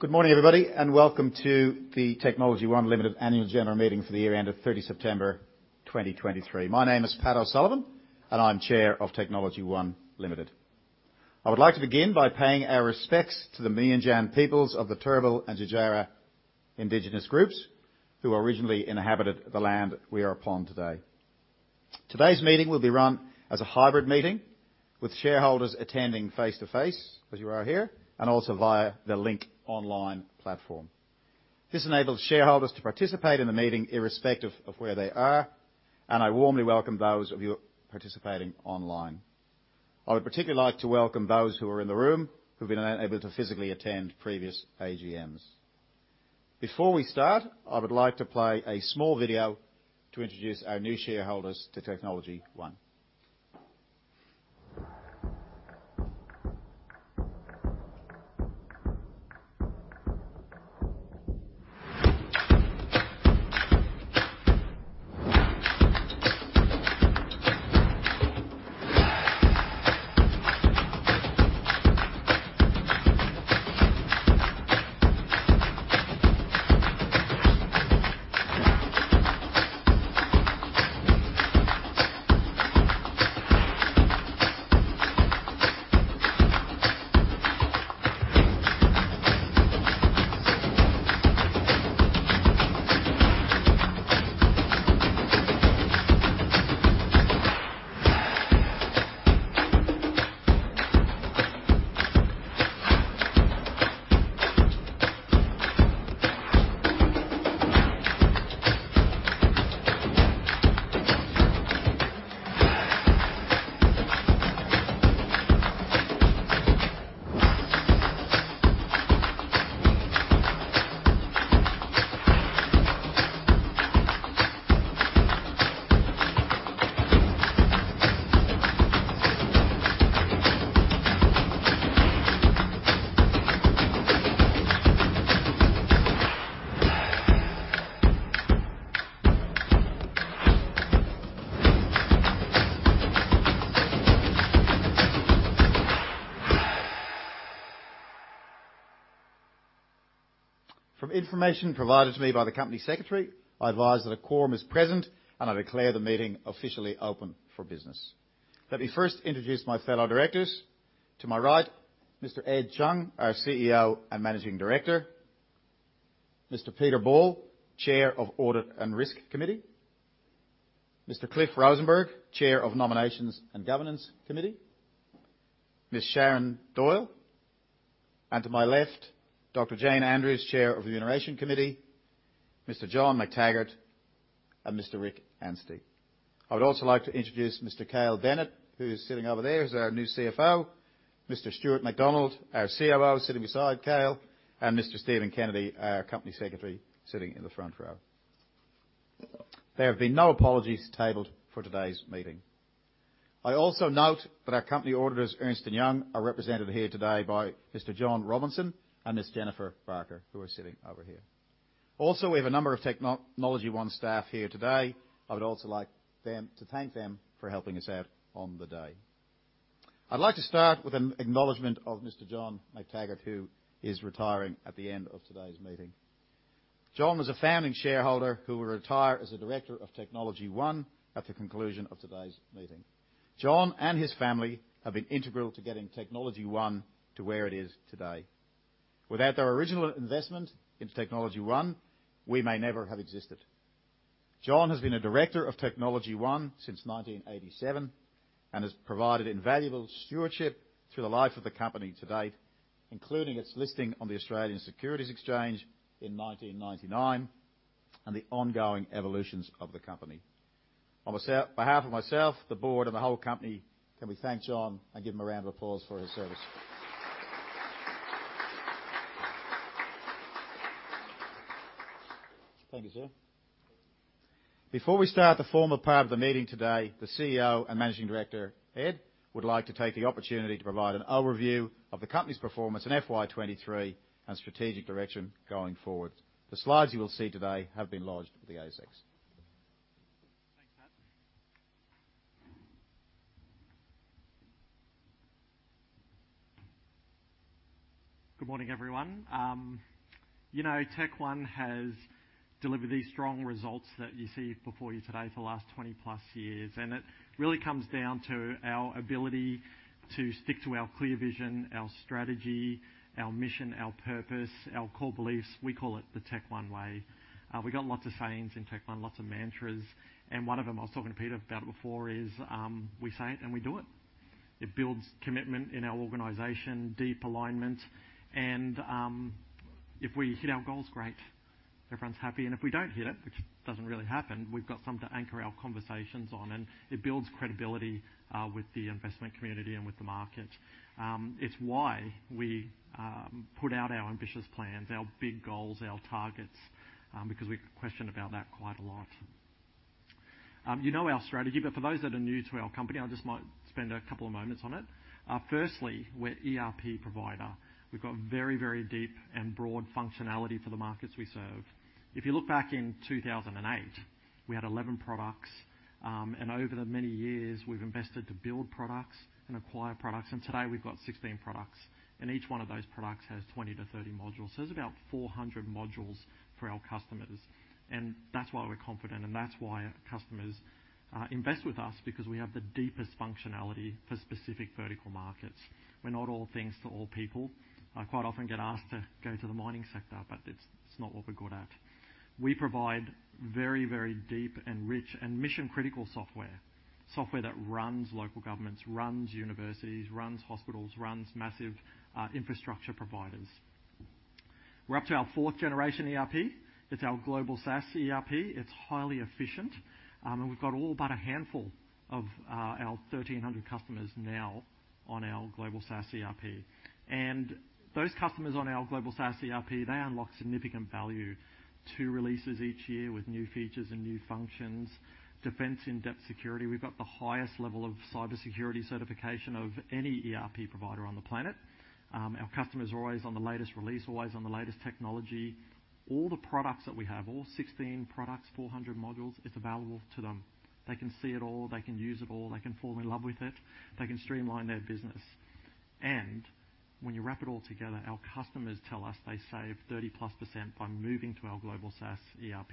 Good morning, everybody, and welcome to the Technology One Limited Annual General Meeting for the year end of 30 September 2023. My name is Pat O'Sullivan, and I'm Chair of Technology One Limited. I would like to begin by paying our respects to the Meanjin Peoples of the Turrbal and Yugara Indigenous groups, who originally inhabited the land we are upon today. Today's meeting will be run as a hybrid meeting, with shareholders attending face-to-face, as you are here, and also via the Link online platform. This enables shareholders to participate in the meeting irrespective of where they are, and I warmly welcome those of you participating online. I would particularly like to welcome those who are in the room who've been unable to physically attend previous AGMs. Before we start, I would like to play a small video to introduce our new shareholders to TechnologyOne. From information provided to me by the company secretary, I advise that a quorum is present, and I declare the meeting officially open for business. Let me first introduce my fellow directors. To my right, Mr. Ed Chung, our CEO and Managing Director; Mr. Peter Ball, Chair of Audit and Risk Committee; Mr. Cliff Rosenberg, Chair of Nominations and Governance Committee; Miss Sharon Doyle; and to my left, Dr. Jane Andrews, Chair of Remuneration Committee; Mr. John Mactaggart; and Mr. Rick Anstey. I would also like to introduce Mr. Cale Bennett, who's sitting over there, who's our new CFO; Mr. Stuart MacDonald, our COO, sitting beside Cale; and Mr. Stephen Kennedy, our company secretary, sitting in the front row. There have been no apologies tabled for today's meeting. I also note that our company auditors, Ernst & Young, are represented here today by Mr. John Robinson and Miss Jennifer Barker, who are sitting over here. Also, we have a number of TechnologyOne staff here today. I would also like to thank them for helping us out on the day. I'd like to start with an acknowledgment of Mr. John Mactaggart, who is retiring at the end of today's meeting. John was a founding shareholder who will retire as a Director of TechnologyOne at the conclusion of today's meeting. John and his family have been integral to getting TechnologyOne to where it is today. Without their original investment into TechnologyOne, we may never have existed. John has been a Director of TechnologyOne since 1987 and has provided invaluable stewardship through the life of the company to date, including its listing on the Australian Securities Exchange in 1999 and the ongoing evolutions of the company. On behalf of myself, the board, and the whole company, can we thank John and give him a round of applause for his service. Thank you, sir. Before we start the formal part of the meeting today, the Chief Executive Officer and Managing Director, Ed, would like to take the opportunity to provide an overview of the company's performance in FY 2023 and strategic direction going forward. The slides you will see today have been lodged with the ASX. Thanks, Pat. Good morning, everyone. TechOne has delivered these strong results that you see before you today for the last 20+ years, and it really comes down to our ability to stick to our clear vision, our strategy, our mission, our purpose, our core beliefs. We call it the TechOne way. We've got lots of sayings in TechOne, lots of mantras. One of them, I was talking to Peter about it before, is we say it and we do it. It builds commitment in our organization, deep alignment. If we hit our goals, great. Everyone's happy. If we don't hit it, which doesn't really happen, we've got something to anchor our conversations on. It builds credibility with the investment community and with the market. It's why we put out our ambitious plans, our big goals, our targets, because we question about that quite a lot. You know our strategy, but for those that are new to our company, I just might spend a couple of moments on it. Firstly, we're an ERP provider. We've got very, very deep and broad functionality for the markets we serve. If you look back in 2008, we had 11 products. Over the many years, we've invested to build products and acquire products. Today, we've got 16 products. Each one of those products has 20-30 modules. So there's about 400 modules for our customers. That's why we're confident. That's why customers invest with us, because we have the deepest functionality for specific vertical markets. We're not all things to all people. I quite often get asked to go to the mining sector, but it's not what we're good at. We provide very, very deep and rich and mission-critical software, software that runs local governments, runs universities, runs hospitals, runs massive infrastructure providers. We're up to our fourth-generation ERP. It's our Global SaaS ERP. It's highly efficient. And we've got all but a handful of our 1,300 customers now on our Global SaaS ERP. And those customers on our Global SaaS ERP, they unlock significant value: two releases each year with new features and new functions, defense in-depth security. We've got the highest level of cybersecurity certification of any ERP provider on the planet. Our customer's always on the latest release, always on the latest technology. All the products that we have - all 16 products, 400 modules - it's available to them. They can see it all. They can use it all. They can fall in love with it. They can streamline their business. And when you wrap it all together, our customers tell us they save 30%+ by moving to our Global SaaS ERP.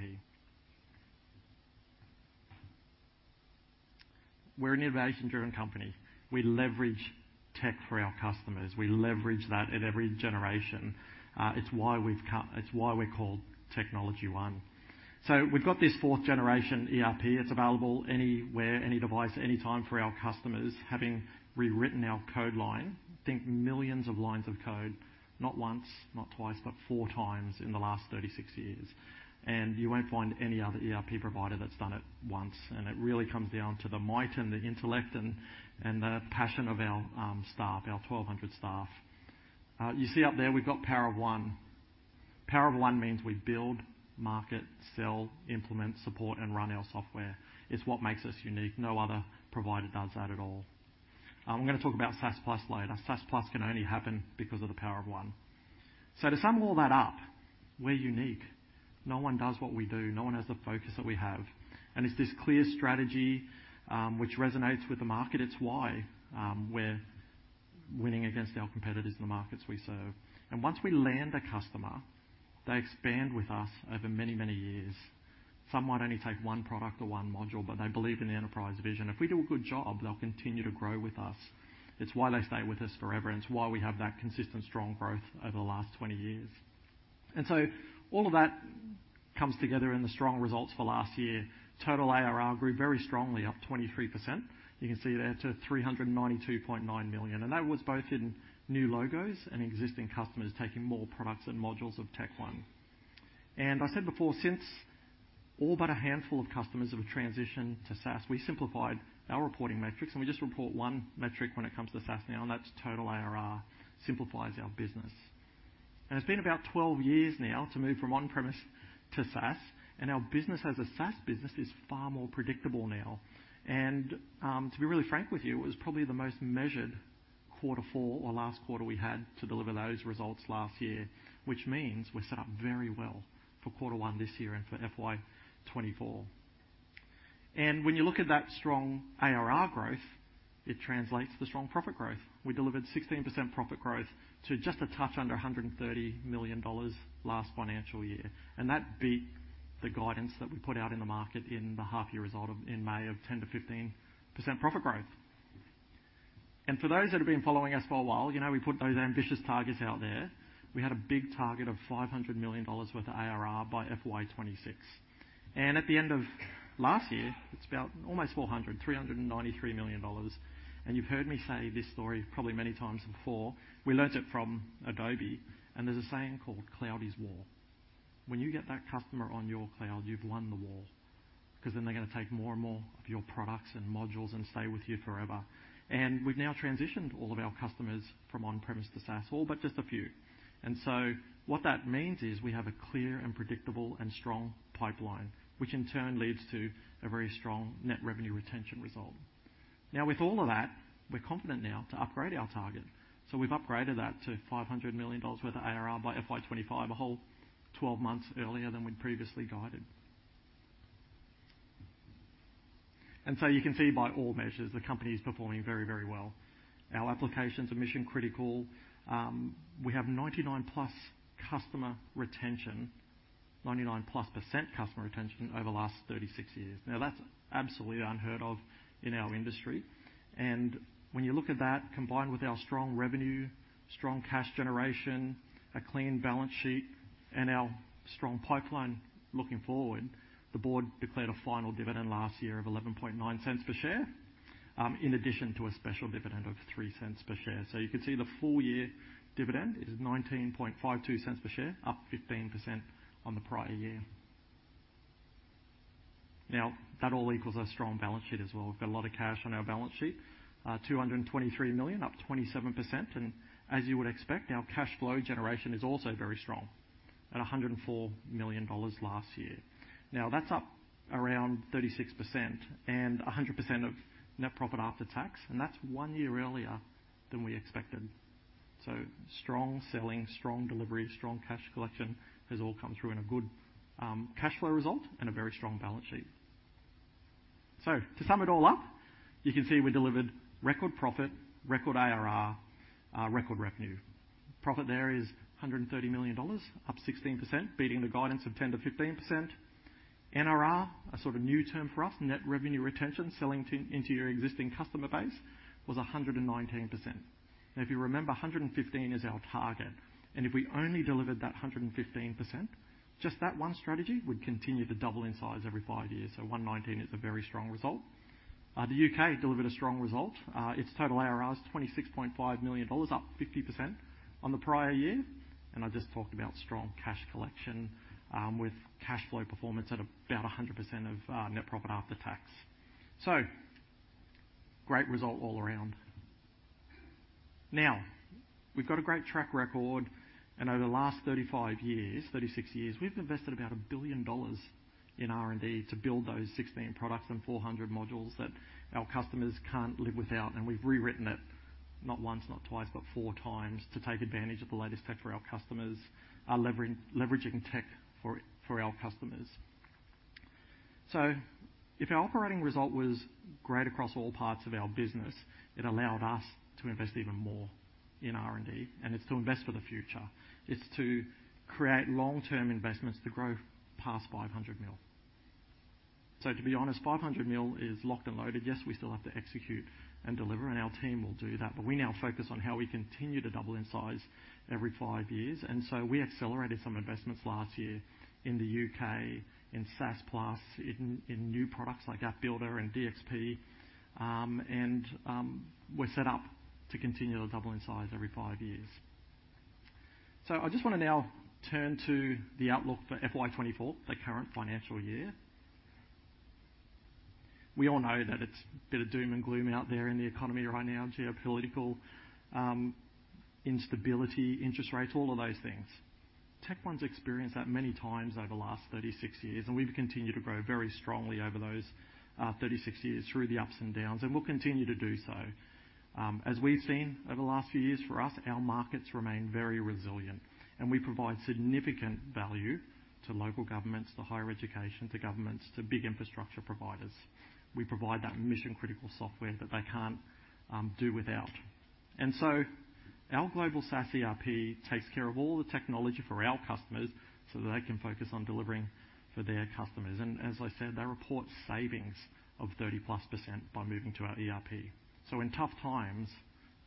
We're an innovation-driven company. We leverage tech for our customers. We leverage that at every generation. It's why we're called TechnologyOne. So we've got this fourth-generation ERP. It's available anywhere, any device, anytime for our customers, having rewritten our code line - think millions of lines of code - not once, not twice, but four times in the last 36 years. And you won't find any other ERP provider that's done it once. And it really comes down to the might and the intellect and the passion of our staff, our 1,200 staff. You see up there, we've got Power of One. Power of One means we build, market, sell, implement, support, and run our software. It's what makes us unique. No other provider does that at all. I'm going to talk about SaaS+ later. SaaS+ can only happen because of the Power of One. To sum all that up, we're unique. No one does what we do. No one has the focus that we have. It's this clear strategy which resonates with the market. It's why we're winning against our competitors in the markets we serve. Once we land a customer, they expand with us over many, many years. Some might only take one product or one module, but they believe in the enterprise vision. If we do a good job, they'll continue to grow with us. It's why they stay with us forever. It's why we have that consistent, strong growth over the last 20 years. All of that comes together in the strong results for last year. Total ARR grew very strongly, up 23%. You can see there to 392.9 million. That was both in new logos and existing customers taking more products and modules of TechOne. I said before, since all but a handful of customers have transitioned to SaaS, we simplified our reporting metrics. We just report one metric when it comes to SaaS now, and that's total ARR. It simplifies our business. It's been about 12 years now to move from on-premise to SaaS. Our business as a SaaS business is far more predictable now. And to be really frank with you, it was probably the most measured quarter four or last quarter we had to deliver those results last year, which means we're set up very well for quarter one this year and for FY 2024. And when you look at that strong ARR growth, it translates to strong profit growth. We delivered 16% profit growth to just a touch under 130 million dollars last financial year. And that beat the guidance that we put out in the market in the half-year result in May of 10%-15% profit growth. And for those that have been following us for a while, we put those ambitious targets out there. We had a big target of 500 million dollars worth of ARR by FY 2026. And at the end of last year, it's about almost 400, 393 million dollars. You've heard me say this story probably many times before. We learned it from Adobe. And there's a saying called cloud is war. When you get that customer on your cloud, you've won the war, because then they're going to take more and more of your products and modules and stay with you forever. And we've now transitioned all of our customers from on-premise to SaaS, all but just a few. And so what that means is we have a clear and predictable and strong pipeline, which in turn leads to a very strong net revenue retention result. Now, with all of that, we're confident now to upgrade our target. So we've upgraded that to 500 million dollars worth of ARR by FY 2025, a whole 12 months earlier than we'd previously guided. And so you can see, by all measures, the company's performing very, very well. Our applications are mission-critical. We have 99+% customer retention over the last 36 years. Now, that's absolutely unheard of in our industry. When you look at that combined with our strong revenue, strong cash generation, a clean balance sheet, and our strong pipeline looking forward, the board declared a final dividend last year of 0.119 per share, in addition to a special dividend of 0.03 per share. You can see the full-year dividend is 0.1952 per share, up 15% on the prior year. Now, that all equals a strong balance sheet as well. We've got a lot of cash on our balance sheet, 223 million, up 27%. As you would expect, our cash flow generation is also very strong, at 104 million dollars last year. Now, that's up around 36% and 100% of net profit after tax. That's one year earlier than we expected. So strong selling, strong delivery, strong cash collection has all come through in a good cash flow result and a very strong balance sheet. So to sum it all up, you can see we delivered record profit, record ARR, record revenue. Profit there is 130 million dollars, up 16%, beating the guidance of 10%-15%. NRR, a sort of new term for us, net revenue retention, selling into your existing customer base, was 119%. Now, if you remember, 115% is our target. And if we only delivered that 115%, just that one strategy would continue to double in size every five years. So 119% is a very strong result. The U.K. delivered a strong result. Its total ARR is 26.5 million dollars, up 50% on the prior year. And I just talked about strong cash collection with cash flow performance at about 100% of net profit after tax. So great result all around. Now, we've got a great track record. And over the last 36 years, we've invested about 1 billion dollars in R&D to build those 16 products and 400 modules that our customers can't live without. And we've rewritten it, not once, not twice, but four times, to take advantage of the latest tech for our customers, leveraging tech for our customers. So if our operating result was great across all parts of our business, it allowed us to invest even more in R&D. And it's to invest for the future. It's to create long-term investments to grow past 500 million. So to be honest, 500 million is locked and loaded. Yes, we still have to execute and deliver. And our team will do that. But we now focus on how we continue to double in size every five years. And so we accelerated some investments last year in the U.K., in SaaS+, in new products like App Builder and DXP. And we're set up to continue to double in size every five years. So I just want to now turn to the outlook for FY 2024, the current financial year. We all know that it's a bit of doom and gloom out there in the economy right now, geopolitical instability, interest rates, all of those things. TechOne's experienced that many times over the last 36 years. And we've continued to grow very strongly over those 36 years through the ups and downs. And we'll continue to do so. As we've seen over the last few years for us, our markets remain very resilient. And we provide significant value to local governments, to higher education, to governments, to big infrastructure providers. We provide that mission-critical software that they can't do without. And so our Global SaaS ERP takes care of all the technology for our customers so that they can focus on delivering for their customers. And as I said, they report savings of 30+% by moving to our ERP. So in tough times,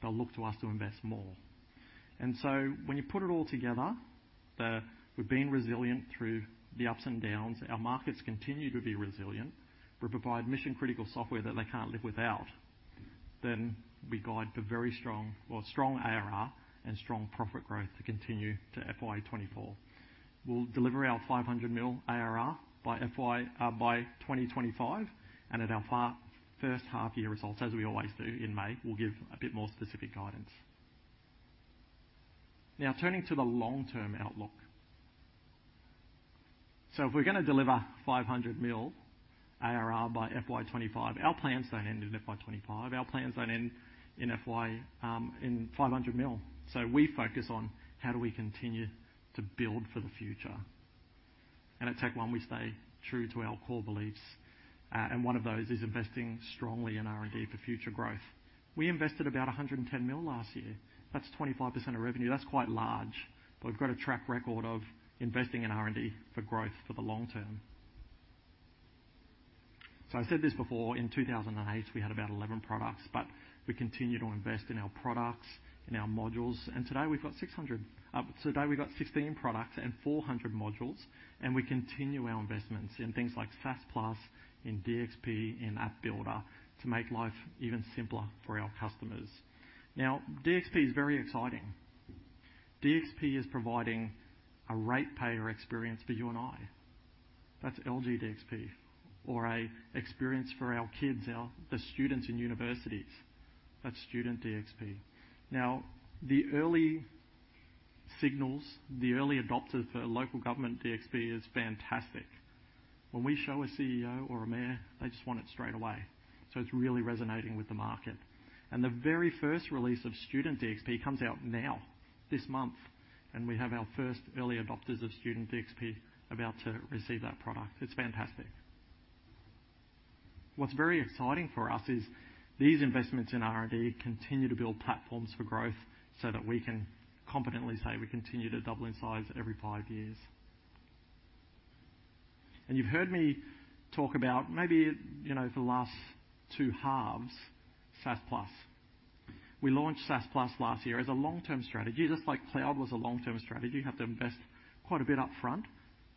they'll look to us to invest more. And so when you put it all together, we've been resilient through the ups and downs. Our markets continue to be resilient. We provide mission-critical software that they can't live without. Then we guide to very strong, well, strong ARR and strong profit growth to continue to FY 2024. We'll deliver our 500 million ARR by 2025. And at our first half-year results, as we always do in May, we'll give a bit more specific guidance. Now, turning to the long-term outlook. So if we're going to deliver 500 million ARR by FY 2025, our plans don't end in FY 2025. Our plans don't end in 500 million. So we focus on how do we continue to build for the future. And at TechOne, we stay true to our core beliefs. And one of those is investing strongly in R&D for future growth. We invested about 110 million last year. That's 25% of revenue. That's quite large. But we've got a track record of investing in R&D for growth for the long term. So I said this before. In 2008, we had about 11 products. But we continue to invest in our products, in our modules. And today, we've got 600 today, we've got 16 products and 400 modules. And we continue our investments in things like SaaS+, in DXP, in App Builder to make life even simpler for our customers. Now, DXP is very exciting. DXP is providing a ratepayer experience for you and I. That's LG DXP, or an experience for our kids, the students in universities. That's Student DXP. Now, the early signals, the early adopters for Local Government DXP is fantastic. When we show a CEO or a mayor, they just want it straight away. So it's really resonating with the market. And the very first release of Student DXP comes out now, this month. And we have our first early adopters of Student DXP about to receive that product. It's fantastic. What's very exciting for us is these investments in R&D continue to build platforms for growth so that we can confidently say we continue to double in size every five years. And you've heard me talk about, maybe for the last two halves, SaaS+. We launched SaaS+ last year as a long-term strategy, just like cloud was a long-term strategy. You have to invest quite a bit upfront.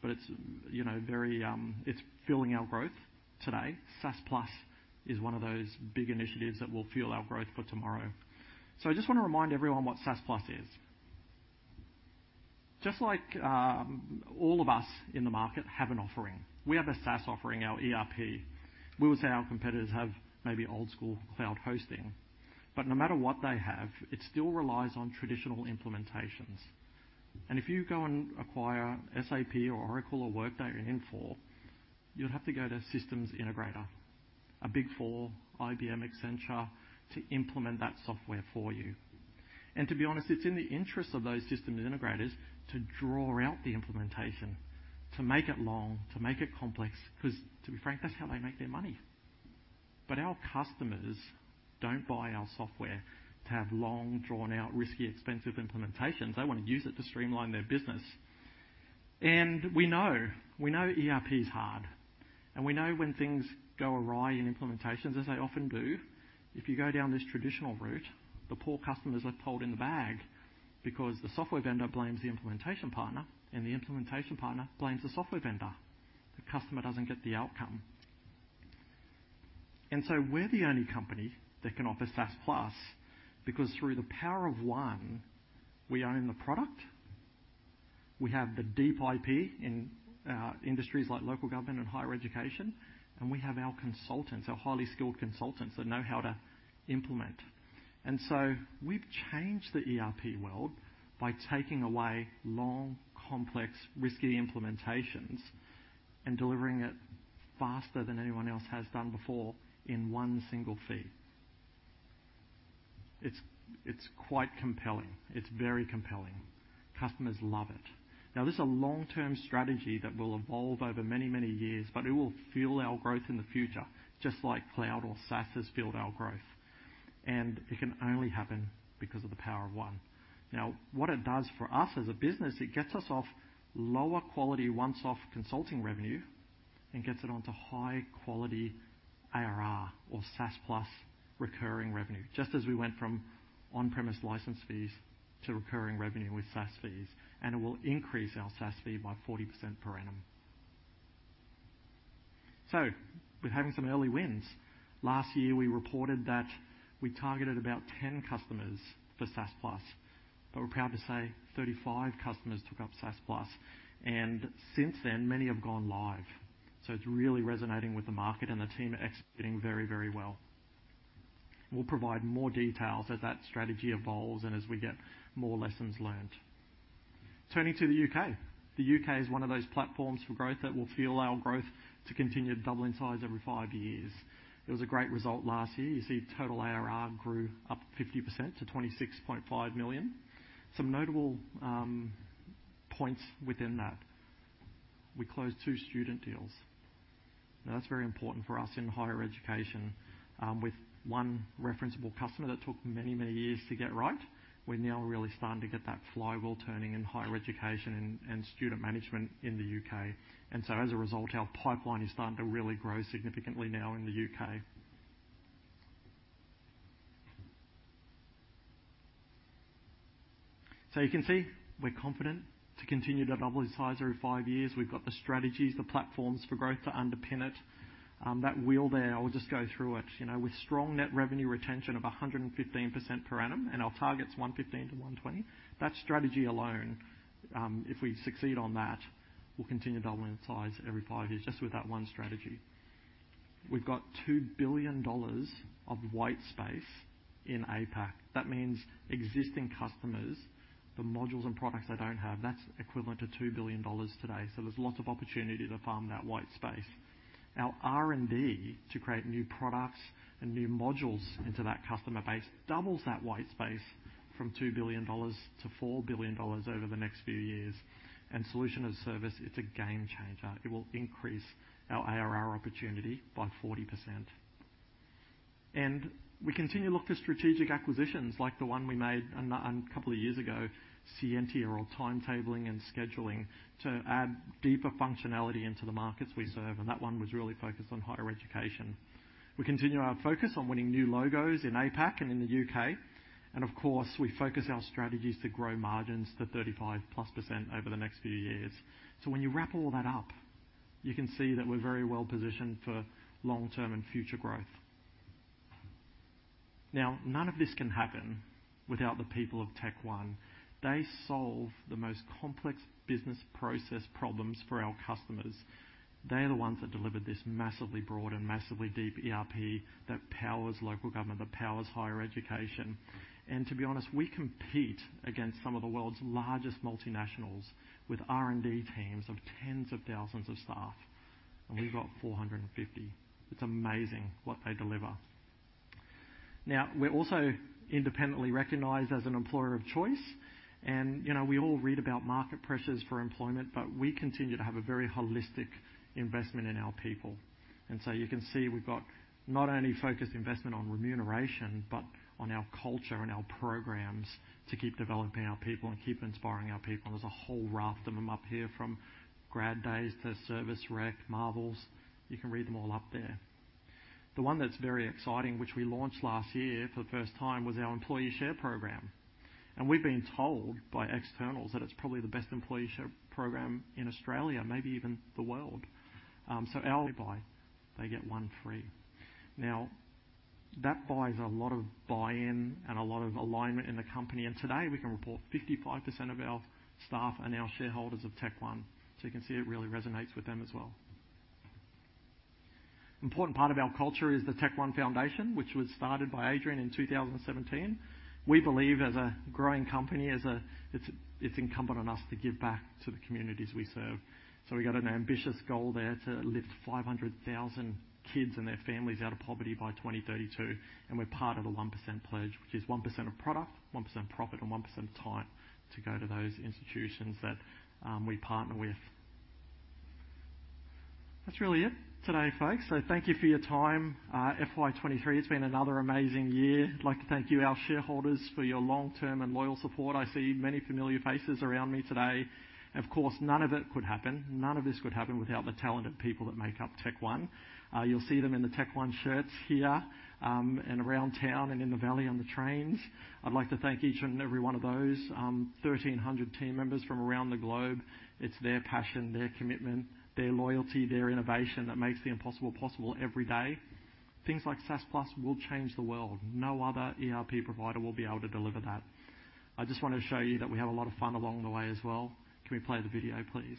But it's filling our growth today. SaaS+ is one of those big initiatives that will fuel our growth for tomorrow. So I just want to remind everyone what SaaS+ is. Just like all of us in the market have an offering, we have a SaaS offering, our ERP. We would say our competitors have maybe old-school cloud hosting. But no matter what they have, it still relies on traditional implementations. If you go and acquire SAP or Oracle or Workday or Infor, you'll have to go to a systems integrator, a Big Four, IBM, Accenture, to implement that software for you. And to be honest, it's in the interest of those systems integrators to draw out the implementation, to make it long, to make it complex, because to be frank, that's how they make their money. But our customers don't buy our software to have long, drawn-out, risky, expensive implementations. They want to use it to streamline their business. And we know. We know ERP's hard. And we know when things go awry in implementations, as they often do, if you go down this traditional route, the poor customers are left holding the bag because the software vendor blames the implementation partner, and the implementation partner blames the software vendor. The customer doesn't get the outcome. And so we're the only company that can offer SaaS+ because through the Power of One, we own the product. We have the deep IP in industries like local government and higher education. We have our consultants, our highly skilled consultants that know how to implement. And so we've changed the ERP world by taking away long, complex, risky implementations and delivering it faster than anyone else has done before in one single fee. It's quite compelling. It's very compelling. Customers love it. Now, this is a long-term strategy that will evolve over many, many years. But it will fuel our growth in the future, just like cloud or SaaS has fueled our growth. And it can only happen because of the Power of One. Now, what it does for us as a business, it gets us off lower-quality one-off consulting revenue and gets it onto high-quality ARR or SaaS+ recurring revenue, just as we went from on-premise license fees to recurring revenue with SaaS fees. And it will increase our SaaS fee by 40% per annum. We're having some early wins. Last year, we reported that we targeted about 10 customers for SaaS+. We're proud to say 35 customers took up SaaS+. Since then, many have gone live. It's really resonating with the market and the team executing very, very well. We'll provide more details as that strategy evolves and as we get more lessons learned. Turning to the U.K., the U.K. is one of those platforms for growth that will fuel our growth to continue doubling in size every five years. It was a great result last year. You see, total ARR grew up 50% to 26.5 million. Some notable points within that, we closed 2 student deals. Now, that's very important for us in higher education. With one referenceable customer that took many, many years to get right, we're now really starting to get that flywheel turning in higher education and student management in the U.K. And so as a result, our pipeline is starting to really grow significantly now in the U.K. So you can see we're confident to continue to double in size every five years. We've got the strategies, the platforms for growth to underpin it. That wheel there, I'll just go through it, with strong net revenue retention of 115% per annum and our targets 115%-120%, that strategy alone, if we succeed on that, we'll continue doubling in size every five years, just with that one strategy. We've got 2 billion dollars of white space in APAC. That means existing customers, the modules and products they don't have, that's equivalent to 2 billion dollars today. So there's lots of opportunity to farm that white space. Our R&D to create new products and new modules into that customer base doubles that white space from 2 billion dollars to 4 billion dollars over the next few years. And solution as service, it's a game changer. It will increase our ARR opportunity by 40%. And we continue to look for strategic acquisitions like the one we made a couple of years ago, Scientia or timetabling and scheduling, to add deeper functionality into the markets we serve. And that one was really focused on higher education. We continue our focus on winning new logos in APAC and in the U.K. And of course, we focus our strategies to grow margins to 35%+ over the next few years. So when you wrap all that up, you can see that we're very well positioned for long-term and future growth. Now, none of this can happen without the people of TechOne. They solve the most complex business process problems for our customers. They are the ones that delivered this massively broad and massively deep ERP that powers local government, that powers higher education. And to be honest, we compete against some of the world's largest multinationals with R&D teams of tens of thousands of staff. And we've got 450. It's amazing what they deliver. Now, we're also independently recognized as an employer of choice. And we all read about market pressures for employment. But we continue to have a very holistic investment in our people. And so you can see we've got not only focused investment on remuneration but on our culture and our programs to keep developing our people and keep inspiring our people. There's a whole raft of them up here from grad days to Service Rec, Marvels. You can read them all up there. The one that's very exciting, which we launched last year for the first time, was our employee share program. And we've been told by externals that it's probably the best employee share program in Australia, maybe even the world. So our. They buy, they get one free. Now, that buys a lot of buy-in and a lot of alignment in the company. And today, we can report 55% of our staff are now shareholders of TechOne. So you can see it really resonates with them as well. Important part of our culture is the TechOne Foundation, which was started by Adrian in 2017. We believe, as a growing company, it's incumbent on us to give back to the communities we serve. So we've got an ambitious goal there to lift 500,000 kids and their families out of poverty by 2032. And we're part of the 1% pledge, which is 1% of product, 1% profit, and 1% time to go to those institutions that we partner with. That's really it today, folks. So thank you for your time. FY 2023, it's been another amazing year. I'd like to thank you, our shareholders, for your long-term and loyal support. I see many familiar faces around me today. And of course, none of it could happen. None of this could happen without the talented people that make up TechOne. You'll see them in the TechOne shirts here and around town and in the valley on the trains. I'd like to thank each and every one of those, 1,300 team members from around the globe. It's their passion, their commitment, their loyalty, their innovation that makes the impossible possible every day. Things like SaaS+ will change the world. No other ERP provider will be able to deliver that. I just want to show you that we have a lot of fun along the way as well. Can we play the video, please?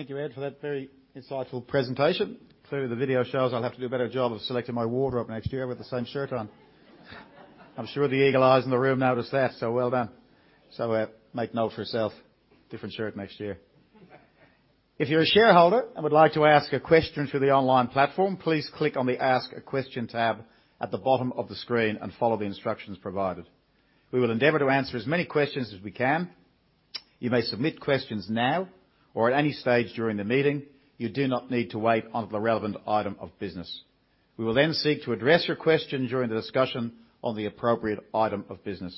Thank you, Ed, for that very insightful presentation. Clearly, the video shows. I'll have to do a better job of selecting my wardrobe next year with the same shirt on. I'm sure the eagle eyes in the room noticed that. Well done. Make note for yourself, different shirt next year. If you're a shareholder and would like to ask a question through the online platform, please click on the Ask a Question tab at the bottom of the screen and follow the instructions provided. We will endeavor to answer as many questions as we can. You may submit questions now or at any stage during the meeting. You do not need to wait until the relevant item of business. We will then seek to address your question during the discussion on the appropriate item of business.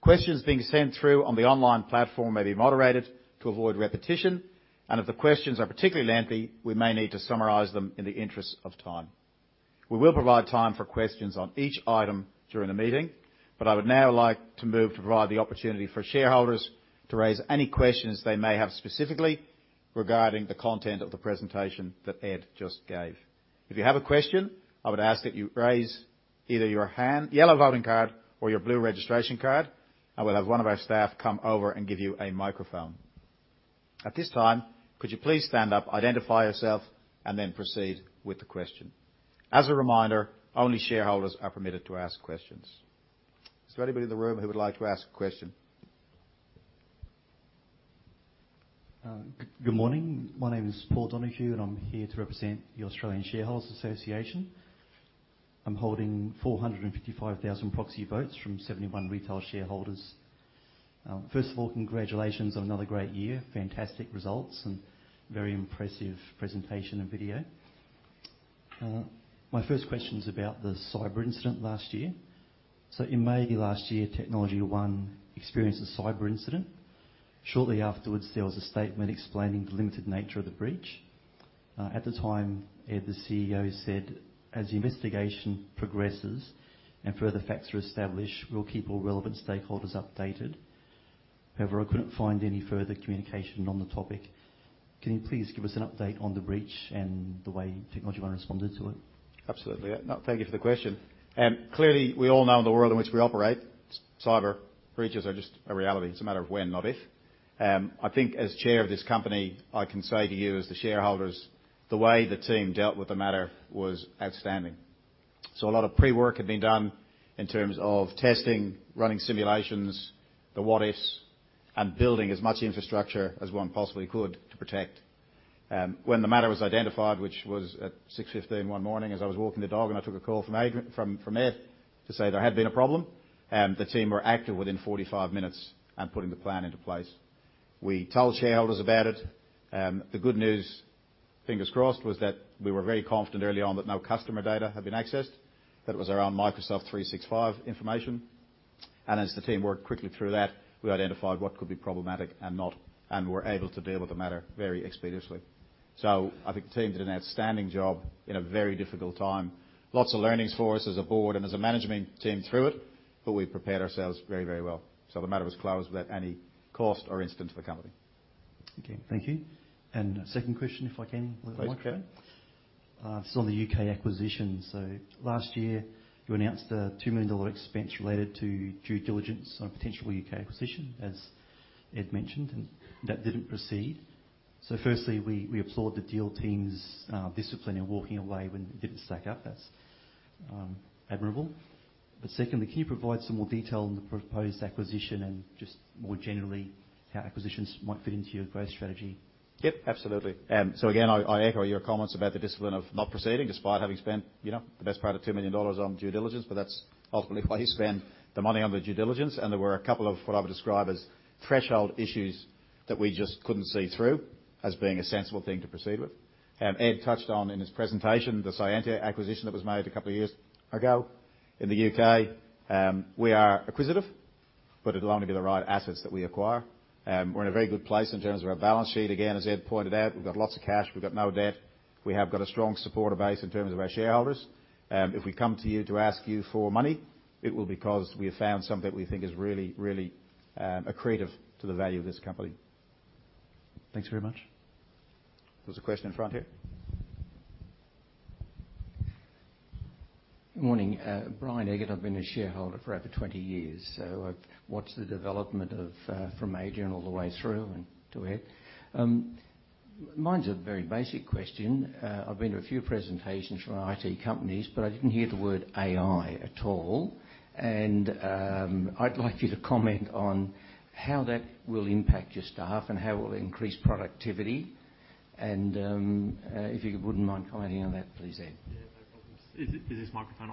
Questions being sent through on the online platform may be moderated to avoid repetition. If the questions are particularly lengthy, we may need to summarize them in the interest of time. We will provide time for questions on each item during the meeting. I would now like to move to provide the opportunity for shareholders to raise any questions they may have specifically regarding the content of the presentation that Ed just gave. If you have a question, I would ask that you raise either your yellow voting card or your blue registration card. We'll have one of our staff come over and give you a microphone. At this time, could you please stand up, identify yourself, and then proceed with the question? As a reminder, only shareholders are permitted to ask questions. Is there anybody in the room who would like to ask a question? Good morning. My name is Paul Donohue. I'm here to represent the Australian Shareholders Association. I'm holding 455,000 proxy votes from 71 retail shareholders. First of all, congratulations on another great year, fantastic results, and very impressive presentation and video. My first question is about the cyber incident last year. In May last year, TechnologyOne experienced a cyber incident. Shortly afterwards, there was a statement explaining the limited nature of the breach. At the time, Ed, the CEO, said, "As the investigation progresses and further facts are established, we'll keep all relevant stakeholders updated." However, I couldn't find any further communication on the topic. Can you please give us an update on the breach and the way TechnologyOne responded to it? Absolutely. Thank you for the question. Clearly, we all know in the world in which we operate, cyber breaches are just a reality. It's a matter of when, not if. I think as chair of this company, I can say to you, as the shareholders, the way the team dealt with the matter was outstanding. So a lot of pre-work had been done in terms of testing, running simulations, the what-ifs, and building as much infrastructure as one possibly could to protect. When the matter was identified, which was at 6:15 A.M. one morning, as I was walking the dog and I took a call from Ed to say there had been a problem, the team were active within 45 minutes and putting the plan into place. We told shareholders about it. The good news, fingers crossed, was that we were very confident early on that no customer data had been accessed, that it was our own Microsoft 365 information. As the team worked quickly through that, we identified what could be problematic and not, and were able to deal with the matter very expeditiously. I think the team did an outstanding job in a very difficult time. Lots of learnings for us as a board and as a management team through it. We prepared ourselves very, very well. The matter was closed without any cost or incident to the company. Okay. Thank you. And second question, if I can, a little bit of microphone. This is on the U.K. acquisition. So last year, you announced an 2 million dollar expense related to due diligence on a potential U.K. acquisition, as Ed mentioned. And that didn't proceed. So firstly, we applaud the deal team's discipline in walking away when it didn't stack up. That's admirable. But secondly, can you provide some more detail on the proposed acquisition and just more generally how acquisitions might fit into your growth strategy? Yep. Absolutely. So again, I echo your comments about the discipline of not proceeding despite having spent the best part of 2 million dollars on due diligence. But that's ultimately why you spend the money on the due diligence. And there were a couple of what I would describe as threshold issues that we just couldn't see through as being a sensible thing to proceed with. Ed touched on in his presentation the Scientia acquisition that was made a couple of years ago in the U.K. We are acquisitive, but it'll only be the right assets that we acquire. We're in a very good place in terms of our balance sheet. Again, as Ed pointed out, we've got lots of cash. We've got no debt. We have got a strong supporter base in terms of our shareholders. If we come to you to ask you for money, it will be because we have found something that we think is really, really accretive to the value of this company. Thanks very much. There was a question in front here. Good morning. Brian here I've been a shareholder for over 20 years. So I've watched the development from Adrian all the way through and to Ed. Mine's a very basic question. I've been to a few presentations from IT companies. But I didn't hear the word AI at all. And I'd like you to comment on how that will impact your staff and how it will increase productivity. And if you wouldn't mind commenting on that, please, Ed. Yeah. No problems. Is this microphone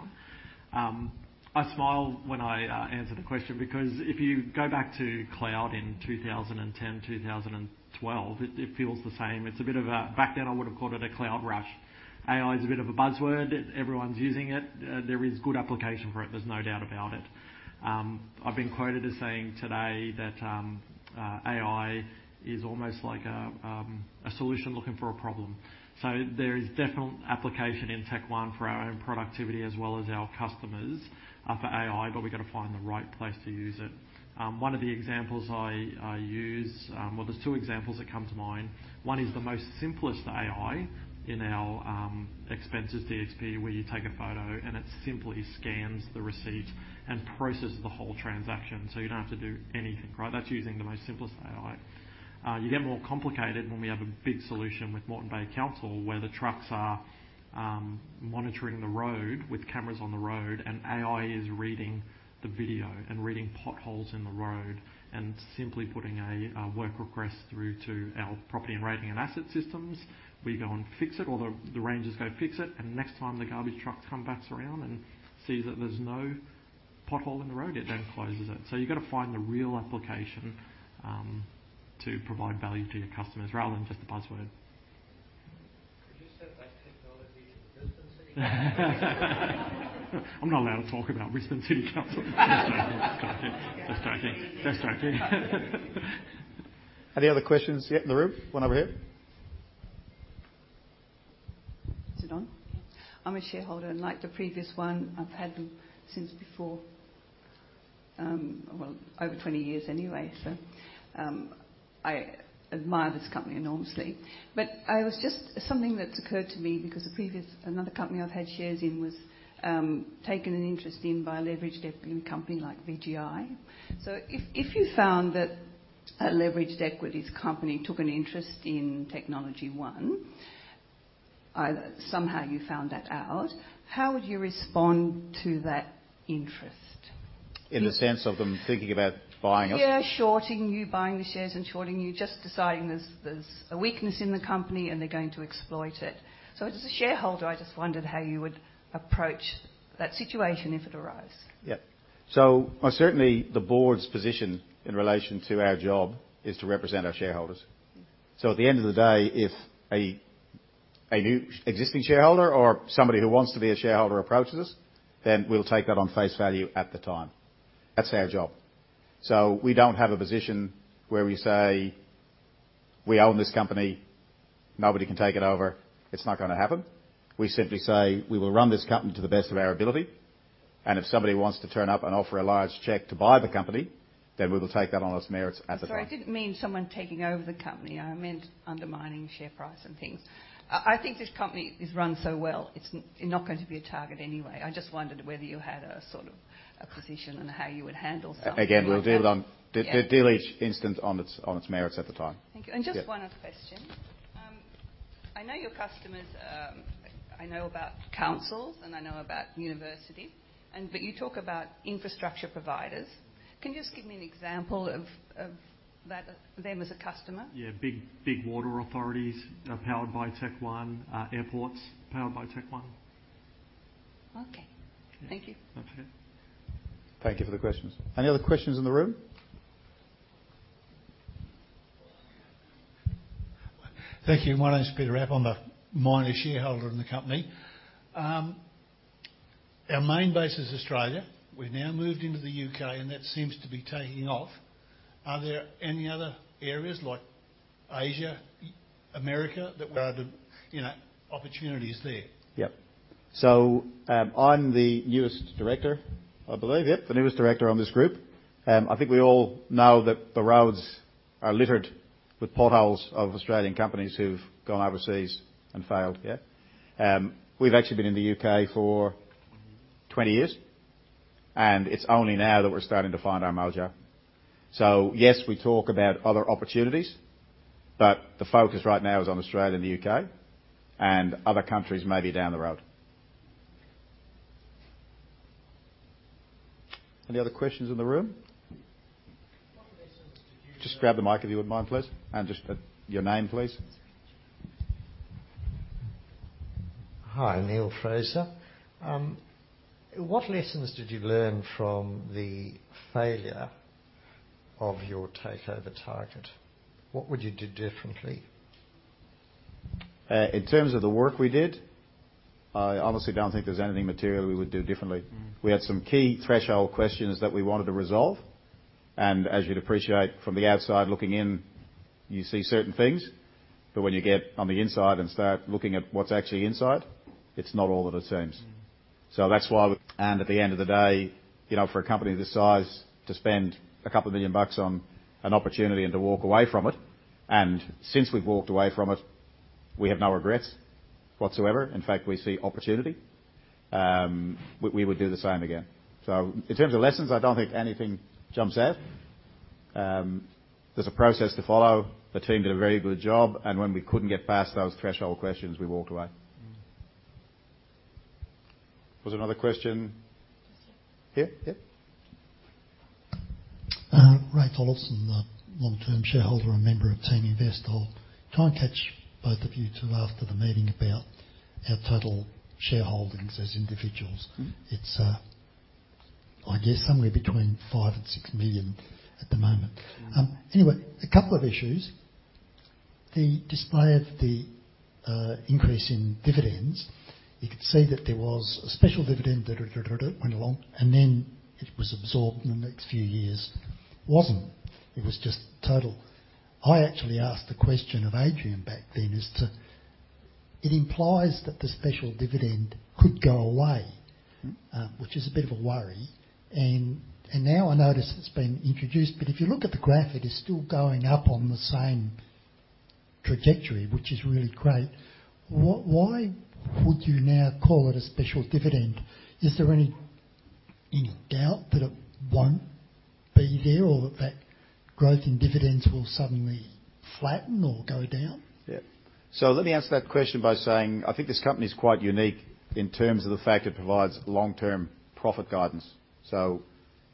on? I smile when I answer the question because if you go back to cloud in 2010, 2012, it feels the same. It's a bit of a back then, I would have called it a cloud rush. AI is a bit of a buzzword. Everyone's using it. There is good application for it. There's no doubt about it. I've been quoted as saying today that AI is almost like a solution looking for a problem. So there is definite application in TechOne for our own productivity as well as our customers for AI. But we've got to find the right place to use it. One of the examples I use well, there's two examples that come to mind. One is the most simplest AI in our Expenses DXP, where you take a photo and it simply scans the receipt and processes the whole transaction. So you don't have to do anything, right? That's using the most simplest AI. You get more complicated when we have a big solution with Moreton Bay Council where the trucks are monitoring the road with cameras on the road. And AI is reading the video and reading potholes in the road and simply putting a work request through to our Property and Rating and asset systems. We go and fix it. Or the rangers go fix it. And next time, the garbage truck comes back around and sees that there's no pothole in the road, it then closes it. So you've got to find the real application to provide value to your customers rather than just a buzzword. Could you send that technology to the Wyndham City Council? I'm not allowed to talk about Wyndham City Council. That's joking. That's joking. That's joking. Any other questions yet in the room? One over here. Is it on? Yeah. I'm a shareholder. And like the previous one, I've had them since before, well, over 20 years anyway. So I admire this company enormously. But it was just something that occurred to me because another company I've had shares in was taken an interest in by a leveraged equity company like VGI. So if you found that a leveraged equities company took an interest in TechnologyOne, somehow you found that out, how would you respond to that interest? In the sense of them thinking about buying us? Yeah. Shorting you, buying the shares and shorting you, just deciding there's a weakness in the company and they're going to exploit it. So as a shareholder, I just wondered how you would approach that situation if it arose. Yep. So certainly, the board's position in relation to our job is to represent our shareholders. So at the end of the day, if a new existing shareholder or somebody who wants to be a shareholder approaches us, then we'll take that on face value at the time. That's our job. So we don't have a position where we say, "We own this company. Nobody can take it over. It's not going to happen." We simply say, "We will run this company to the best of our ability. And if somebody wants to turn up and offer a large check to buy the company, then we will take that on its merits at the time. I didn't mean someone taking over the company. I meant undermining share price and things. I think this company is run so well, it's not going to be a target anyway. I just wondered whether you had a sort of a position and how you would handle something. Again, we'll deal with it on the deal each instance on its merits at the time. Thank you. And just one other question. I know your customers. I know about councils. And I know about universities. But you talk about infrastructure providers. Can you just give me an example of them as a customer? Yeah. Big water authorities powered by TechOne, airports powered by TechOne. Okay. Thank you. That's it. Thank you for the questions. Any other questions in the room? Thank you. My name's Peter Rapp, I'm a minor shareholder in the company. Our main base is Australia. We've now moved into the U.K., that seems to be taking off. Are there any other areas like Asia, America, that there are opportunities there? Yep. I'm the newest director, I believe. Yep. The newest director on this group. I think we all know that the roads are littered with potholes of Australian companies who've gone overseas and failed. Yeah? We've actually been in the U.K. for 20 years. It's only now that we're starting to find our mojo. Yes, we talk about other opportunities. But the focus right now is on Australia and the U.K. Other countries may be down the road. Any other questions in the room? Just grab the mic, if you wouldn't mind, please. Just your name, please. Hi. Neil Fraser. What lessons did you learn from the failure of your takeover target? What would you do differently? In terms of the work we did, I honestly don't think there's anything material we would do differently. We had some key threshold questions that we wanted to resolve. As you'd appreciate, from the outside looking in, you see certain things. When you get on the inside and start looking at what's actually inside, it's not all that it seems. That's why. At the end of the day, for a company this size to spend 2 million bucks on an opportunity and to walk away from it and since we've walked away from it, we have no regrets whatsoever. In fact, we see opportunity. We would do the same again. In terms of lessons, I don't think anything jumps out. There's a process to follow. The team did a very good job. When we couldn't get past those threshold questions, we walked away. Was there another question? Here? Yep. Right. Paul Olsen, long-term shareholder and member of Teaminvest. I'll try and catch both of you two after the meeting about our total shareholdings as individuals. It's, I guess, somewhere between 5 million and 6 million at the moment. Anyway, a couple of issues. The display of the increase in dividends, you could see that there was a special dividend that went along. And then it was absorbed in the next few years. Wasn't. It was just total. I actually asked the question of Adrian back then as to it implies that the special dividend could go away, which is a bit of a worry. And now I notice it's been introduced. But if you look at the graph, it is still going up on the same trajectory, which is really great. Why would you now call it a special dividend? Is there any doubt that it won't be there or that growth in dividends will suddenly flatten or go down? Yep. So let me answer that question by saying I think this company is quite unique in terms of the fact it provides long-term profit guidance. So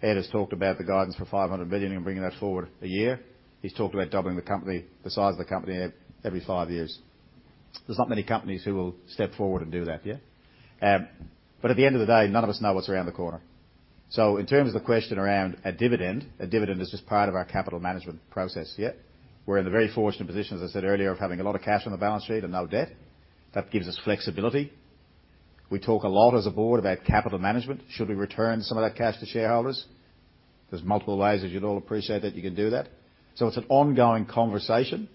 Ed has talked about the guidance for 500 million and bringing that forward a year. He's talked about doubling the size of the company every five years. There's not many companies who will step forward and do that. Yeah? But at the end of the day, none of us know what's around the corner. So in terms of the question around a dividend, a dividend is just part of our capital management process. Yeah? We're in the very fortunate position, as I said earlier, of having a lot of cash on the balance sheet and no debt. That gives us flexibility. We talk a lot as a board about capital management. Should we return some of that cash to shareholders? There's multiple ways, as you'd all appreciate, that you can do that. So it's an ongoing conversation.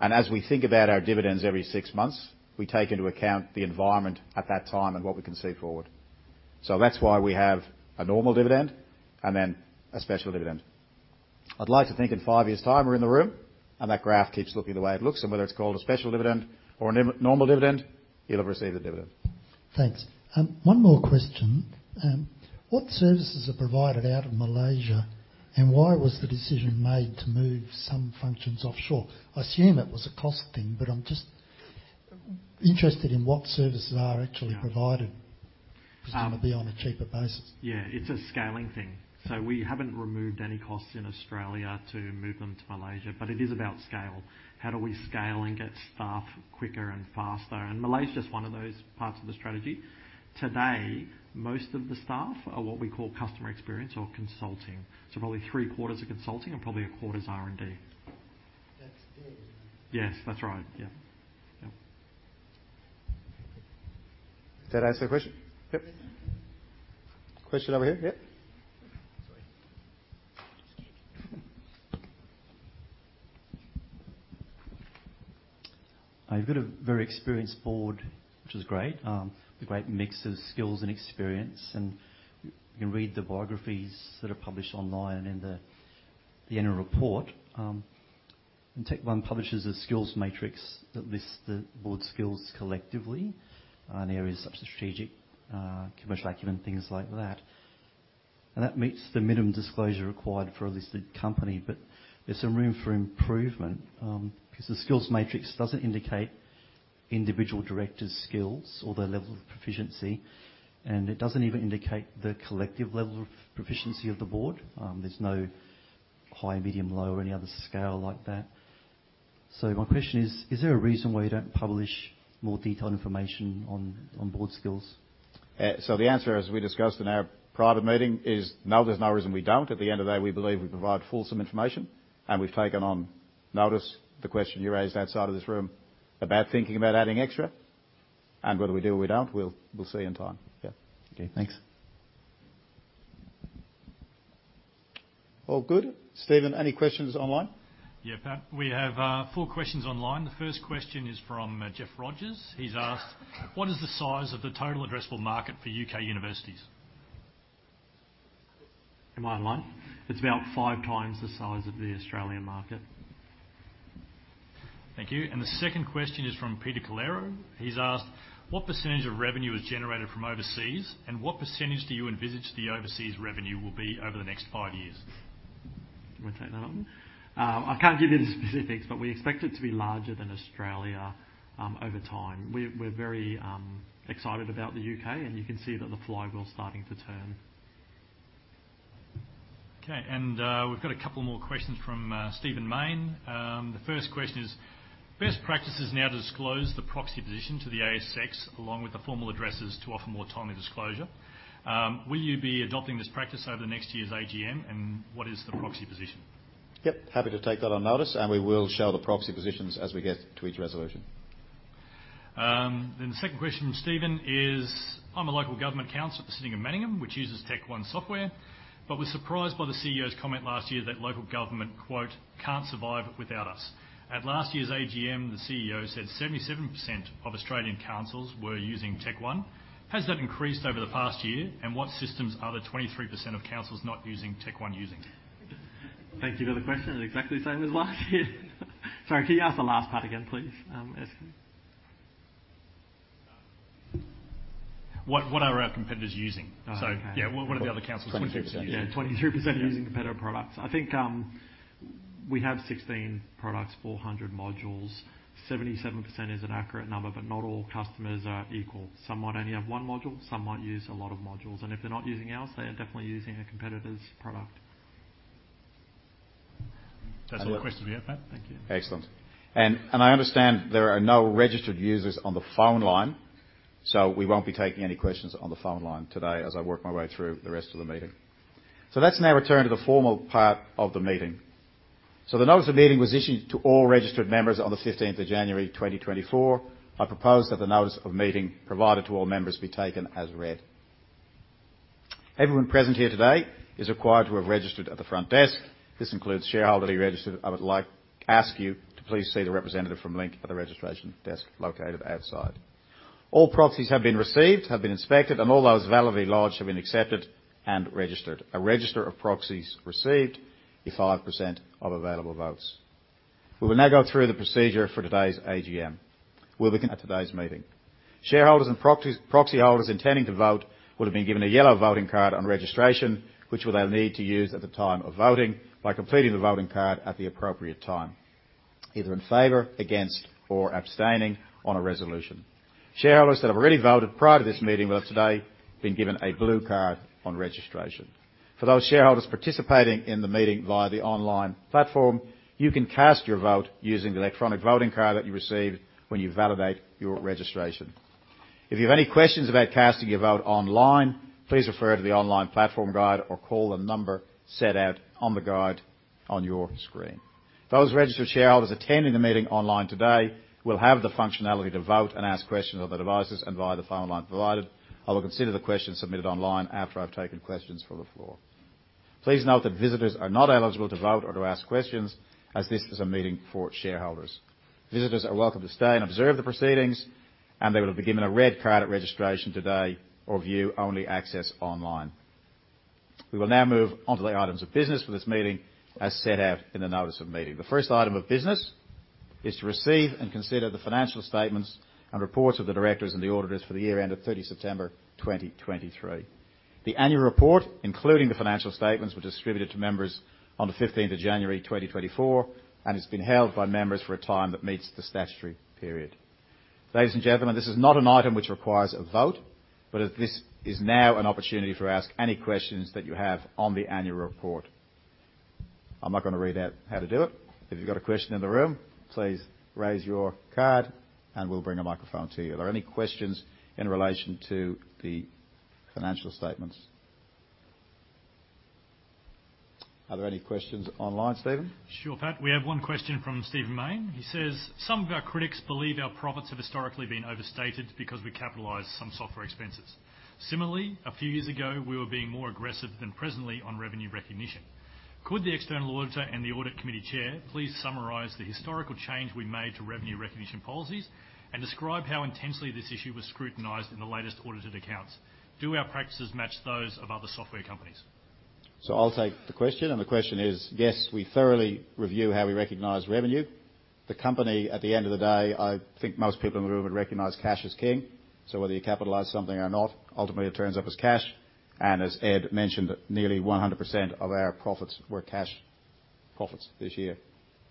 And as we think about our dividends every six months, we take into account the environment at that time and what we can see forward. So that's why we have a normal dividend and then a special dividend. I'd like to think in five years' time, we're in the room. And that graph keeps looking the way it looks. And whether it's called a special dividend or a normal dividend, you'll have received a dividend. Thanks. One more question. What services are provided out of Malaysia? And why was the decision made to move some functions offshore? I assume it was a cost thing. But I'm just interested in what services are actually provided because they're going to be on a cheaper basis. Yeah. It's a scaling thing. So we haven't removed any costs in Australia to move them to Malaysia. But it is about scale. How do we scale and get staff quicker and faster? And Malaysia's one of those parts of the strategy. Today, most of the staff are what we call customer experience or consulting. So probably three-quarters are consulting and probably a quarter's R&D. That's there, isn't it? Yes. That's right. Yeah. Yep. Did I answer the question? Yep. Question over here. Yep. You've got a very experienced board, which is great, a great mix of skills and experience. You can read the biographies that are published online and in the annual report. TechnologyOne publishes a skills matrix that lists the board's skills collectively in areas such as strategic, commercial acumen, things like that. That meets the minimum disclosure required for a listed company. But there's some room for improvement because the skills matrix doesn't indicate individual directors' skills or their level of proficiency. It doesn't even indicate the collective level of proficiency of the board. There's no high, medium, low, or any other scale like that. So my question is, is there a reason why you don't publish more detailed information on board skills? So the answer, as we discussed in our private meeting, is no, there's no reason we don't. At the end of the day, we believe we provide fulsome information. And we've taken on notice the question you raised outside of this room, about thinking about adding extra. And whether we do or we don't, we'll see in time. Yeah. Okay. Thanks. All good. Stephen, any questions online? Yeah. We have four questions online. The first question is from Jeff Rogers. He's asked, "What is the size of the total addressable market for U.K. universities?" Am I online? It's about 5x the size of the Australian market. Thank you. And the second question is from Peter Collaro. He's asked, "What percentage of revenue is generated from overseas? And what percentage do you envisage the overseas revenue will be over the next five years?" Can we take that one? I can't give you the specifics. But we expect it to be larger than Australia over time. We're very excited about the U.K. And you can see that the flywheel's starting to turn. Okay. And we've got a couple more questions from Stephen Mayne. The first question is, "Best practice is now to disclose the proxy position to the ASX along with the formal addresses to offer more timely disclosure. Will you be adopting this practice over the next year's AGM? And what is the proxy position? Yep. Happy to take that on notice. We will show the proxy positions as we get to each resolution. Then the second question from Stephen is, "I'm a local government councilor at the City of Manningham, which uses TechOne software. But was surprised by the CEO's comment last year that local government, 'can't survive without us.' At last year's AGM, the CEO said 77% of Australian councils were using TechOne. Has that increased over the past year? And what systems are the 23% of councils not using TechOne using? Thank you for the question. It's exactly the same as last year. Sorry. Can you ask the last part again, please? Ask me. What are our competitors using? So yeah, what are the other councils' 23% using? 23%. Yeah. 23% are using competitor products. I think we have 16 products, 400 modules. 77% is an accurate number. But not all customers are equal. Some might only have one module. Some might use a lot of modules. And if they're not using ours, they are definitely using a competitor's product. That's all the questions we have, Pat. Thank you. Excellent. I understand there are no registered users on the phone line. We won't be taking any questions on the phone line today as I work my way through the rest of the meeting. That's now returned to the formal part of the meeting. The notice of meeting was issued to all registered members on the 15th of January, 2024. I propose that the notice of meeting provided to all members be taken as read. Everyone present here today is required to have registered at the front desk. This includes shareholders, directors. I would like to ask you to please see the representative from Link at the registration desk located outside. All proxies have been received, have been inspected. All those validly lodged have been accepted and registered. A register of proxies received. 25% of available votes. We will now go through the procedure for today's AGM. We'll begin at today's meeting. Shareholders and proxyholders intending to vote will have been given a yellow voting card on registration, which will they need to use at the time of voting by completing the voting card at the appropriate time, either in favor, against, or abstaining on a resolution. Shareholders that have already voted prior to this meeting will have today been given a blue card on registration. For those shareholders participating in the meeting via the online platform, you can cast your vote using the electronic voting card that you received when you validate your registration. If you have any questions about casting your vote online, please refer to the online platform guide or call the number set out on the guide on your screen. Those registered shareholders attending the meeting online today will have the functionality to vote and ask questions on their devices and via the phone line provided. I will consider the questions submitted online after I've taken questions from the floor. Please note that visitors are not eligible to vote or to ask questions as this is a meeting for shareholders. Visitors are welcome to stay and observe the proceedings. They will have been given a red card at registration today or view only access online. We will now move onto the items of business for this meeting as set out in the notice of meeting. The first item of business is to receive and consider the financial statements and reports of the directors and the auditors for the year end of 30 September, 2023. The annual report, including the financial statements, were distributed to members on the 15th of January, 2024. It's been held by members for a time that meets the statutory period. Ladies and gentlemen, this is not an item which requires a vote. This is now an opportunity for you to ask any questions that you have on the annual report. I'm not going to read out how to do it. If you've got a question in the room, please raise your card. We'll bring a microphone to you. Are there any questions in relation to the financial statements? Are there any questions online, Stephen? Sure, Pat. We have one question from Stephen Mayne. He says, "Some of our critics believe our profits have historically been overstated because we capitalize some software expenses. Similarly, a few years ago, we were being more aggressive than presently on revenue recognition. Could the external auditor and the audit committee chair please summarise the historical change we made to revenue recognition policies and describe how intensely this issue was scrutinised in the latest audited accounts? Do our practices match those of other software companies? I'll take the question. The question is, yes, we thoroughly review how we recognize revenue. The company, at the end of the day, I think most people in the room would recognize cash as king. Whether you capitalize something or not, ultimately, it turns up as cash. As Ed mentioned, nearly 100% of our profits were cash profits this year.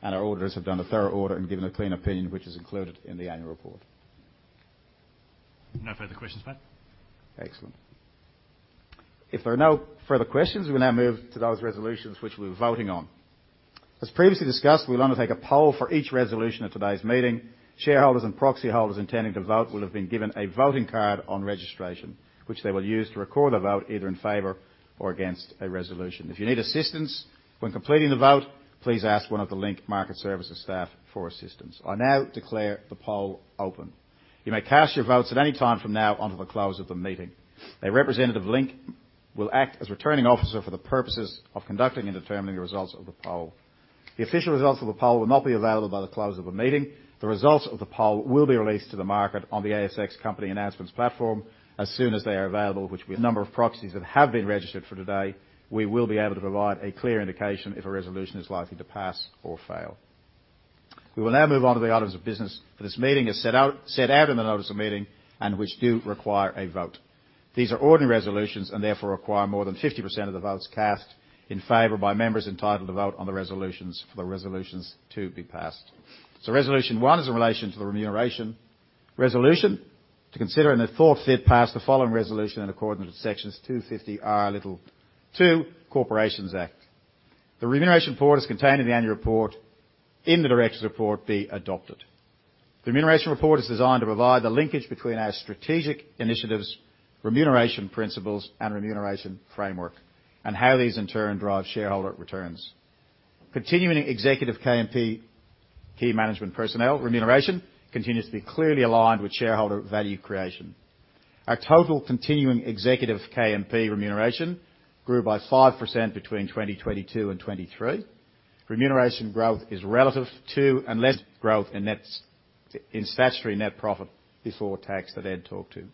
Our auditors have done a thorough audit and given a clean opinion, which is included in the annual report. No further questions, Pat. Excellent. If there are no further questions, we will now move to those resolutions, which we're voting on. As previously discussed, we'll undertake a poll for each resolution at today's meeting. Shareholders and proxyholders intending to vote will have been given a voting card on registration, which they will use to record their vote either in favor or against a resolution. If you need assistance when completing the vote, please ask one of the Link Market Services staff for assistance. I now declare the poll open. You may cast your votes at any time from now until the close of the meeting. A representative of Link will act as returning officer for the purposes of conducting and determining the results of the poll. The official results of the poll will not be available by the close of the meeting. The results of the poll will be released to the market on the ASX Company Announcements Platform as soon as they are available. The number of proxies that have been registered for today, we will be able to provide a clear indication if a resolution is likely to pass or fail. We will now move onto the items of business for this meeting as set out in the notice of meeting and which do require a vote. These are ordinary resolutions and therefore require more than 50% of the votes cast in favour by members entitled to vote on the resolutions for the resolutions to be passed. So resolution one is in relation to the remuneration resolution to consider and if thought fit pass the following resolution in accordance with section 250R(2) Corporations Act. The remuneration report is contained in the annual report. In the directors' report, be adopted. The remuneration report is designed to provide the linkage between our strategic initiatives, remuneration principles, and remuneration framework and how these, in turn, drive shareholder returns. Continuing executive KMP key management personnel remuneration continues to be clearly aligned with shareholder value creation. Our total continuing executive KMP remuneration grew by 5% between 2022 and 2023. Remuneration growth is relative to and less than growth in statutory net profit before tax that Ed talked to.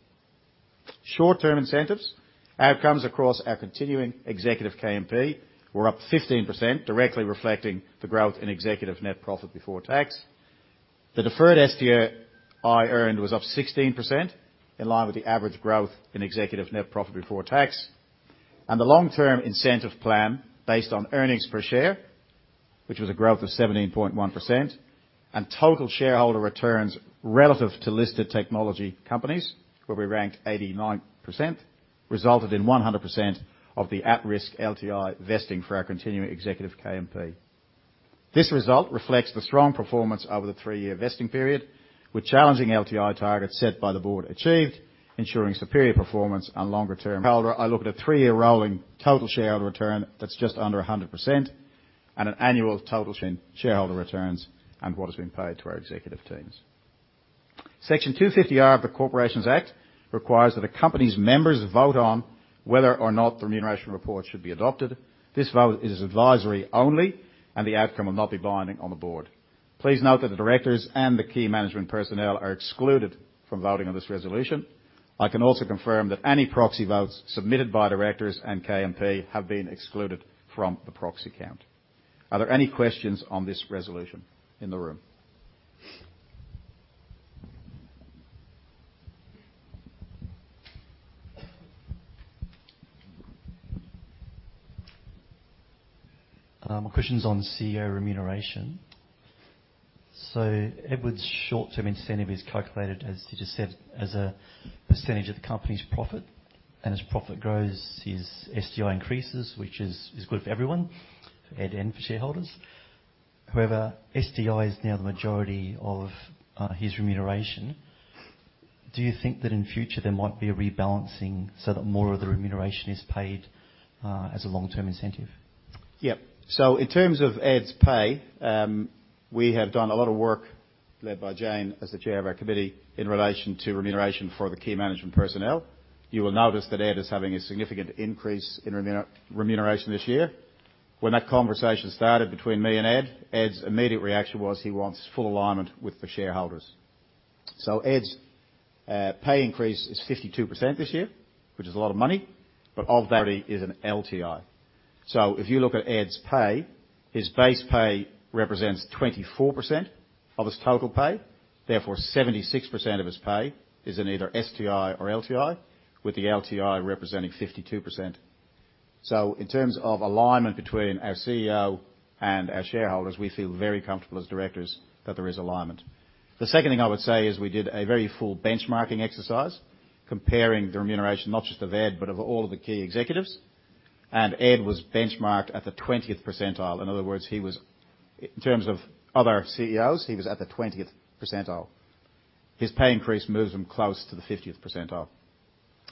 Short-term incentives, outcomes across our continuing executive KMP were up 15%, directly reflecting the growth in executive net profit before tax. The deferred STI earned was up 16% in line with the average growth in executive net profit before tax. And the long-term incentive plan based on earnings per share, which was a growth of 17.1%, and total shareholder returns relative to listed technology companies, where we ranked 89%, resulted in 100% of the at-risk LTI vesting for our continuing executive KMP. This result reflects the strong performance over the three-year vesting period with challenging LTI targets set by the board achieved, ensuring superior performance and longer-term. Holder, I look at a three-year rolling total shareholder return that's just under 100% and an annual total. In shareholder returns and what has been paid to our executive teams. Section 250R of the Corporations Act requires that a company's members vote on whether or not the remuneration report should be adopted. This vote is advisory only. The outcome will not be binding on the board. Please note that the directors and the key management personnel are excluded from voting on this resolution. I can also confirm that any proxy votes submitted by directors and KMP have been excluded from the proxy count. Are there any questions on this resolution in the room? My question's on CEO remuneration. So Edward's short-term incentive is calculated, as he just said, as a percentage of the company's profit. And as profit grows, his STI increases, which is good for everyone, Ed and for shareholders. However, STI is now the majority of his remuneration. Do you think that in future, there might be a rebalancing so that more of the remuneration is paid as a long-term incentive? Yep. So in terms of Ed's pay, we have done a lot of work led by Jane as the chair of our committee in relation to remuneration for the key management personnel. You will notice that Ed is having a significant increase in remuneration this year. When that conversation started between me and Ed, Ed's immediate reaction was he wants full alignment with the shareholders. So Ed's pay increase is 52% this year, which is a lot of money, but 52% is an LTI. So if you look at Ed's pay, his base pay represents 24% of his total pay. Therefore, 76% of his pay is in either STI or LTI, with the LTI representing 52%. So in terms of alignment between our CEO and our shareholders, we feel very comfortable as directors that there is alignment. The second thing I would say is we did a very full benchmarking exercise comparing the remuneration, not just of Ed, but of all of the key executives. And Ed was benchmarked at the 20th percentile. In other words, in terms of other CEOs, he was at the 20th percentile. His pay increase moves him close to the 50th percentile.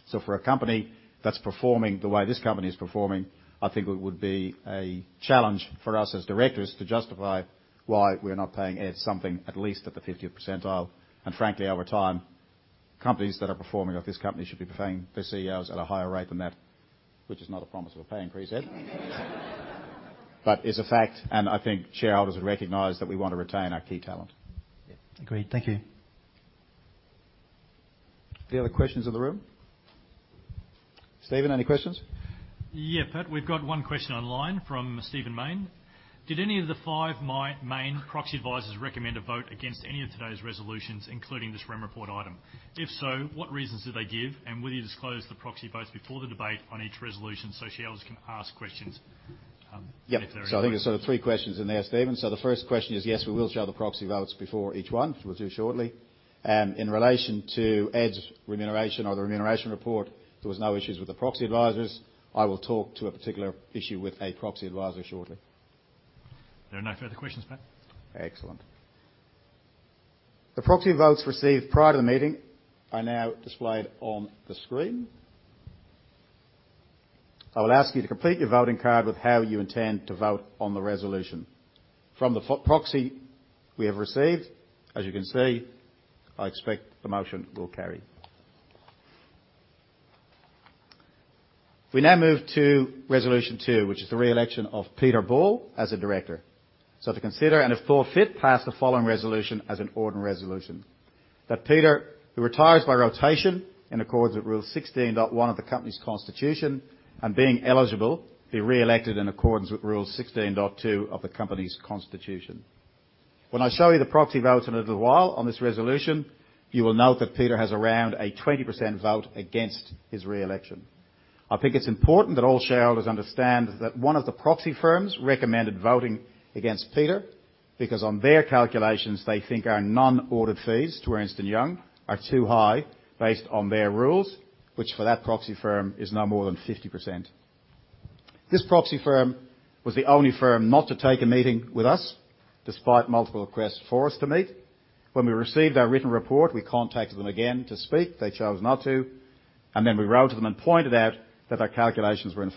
So for a company that's performing the way this company is performing, I think it would be a challenge for us as directors to justify why we're not paying Ed something at least at the 50th percentile. And frankly, over time, companies that are performing like this company should be paying their CEOs at a higher rate than that, which is not a promise of a pay increase, Ed, but is a fact. And I think shareholders would recognise that we want to retain our key talent. Yeah. Agreed. Thank you. Any other questions in the room? Stephen, any questions? Yeah, Pat. We've got one question online from Stephen Mayne. "Did any of the five main proxy advisers recommend a vote against any of today's resolutions, including this Rem report item? If so, what reasons did they give? And will you disclose the proxy votes before the debate on each resolution so shareholders can ask questions if there are any? Yep. So I think there's sort of three questions in there, Stephen. So the first question is, yes, we will show the proxy votes before each one, which we'll do shortly. In relation to Ed's remuneration or the remuneration report, there was no issues with the proxy advisers. I will talk to a particular issue with a proxy adviser shortly. There are no further questions, Pat. Excellent. The proxy votes received prior to the meeting are now displayed on the screen. I will ask you to complete your voting card with how you intend to vote on the resolution. From the proxy we have received, as you can see, I expect the motion will carry. We now move to resolution two, which is the re-election of Peter Ball as a director. So to consider and, if thought-fit, pass the following resolution as an ordinary resolution: that Peter, who retires by rotation in accordance with rule 16.1 of the company's constitution and being eligible, be re-elected in accordance with rule 16.2 of the company's constitution. When I show you the proxy votes in a little while on this resolution, you will note that Peter has around a 20% vote against his re-election. I think it's important that all shareholders understand that one of the proxy firms recommended voting against Peter because, on their calculations, they think our non-audit fees to Ernst & Young are too high based on their rules, which for that proxy firm is no more than 50%. This proxy firm was the only firm not to take a meeting with us despite multiple requests for us to meet. When we received our written report, we contacted them again to speak. They chose not to. And then we wrote to them and pointed out that their calculations were, in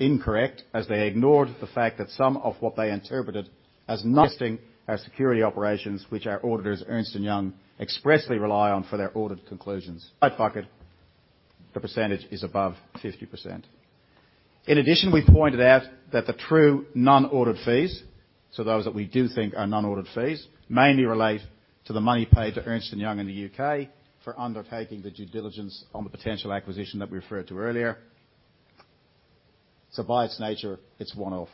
fact, incorrect as they ignored the fact that some of what they interpreted as testing our security operations, which our auditors, Ernst & Young, expressly rely on for their audit conclusions. But in the bucket, the percentage is above 50%. In addition, we pointed out that the true non-audit fees, so those that we do think are non-audit fees, mainly relate to the money paid to Ernst & Young in the U.K. for undertaking the due diligence on the potential acquisition that we referred to earlier. So by its nature, it's one-off.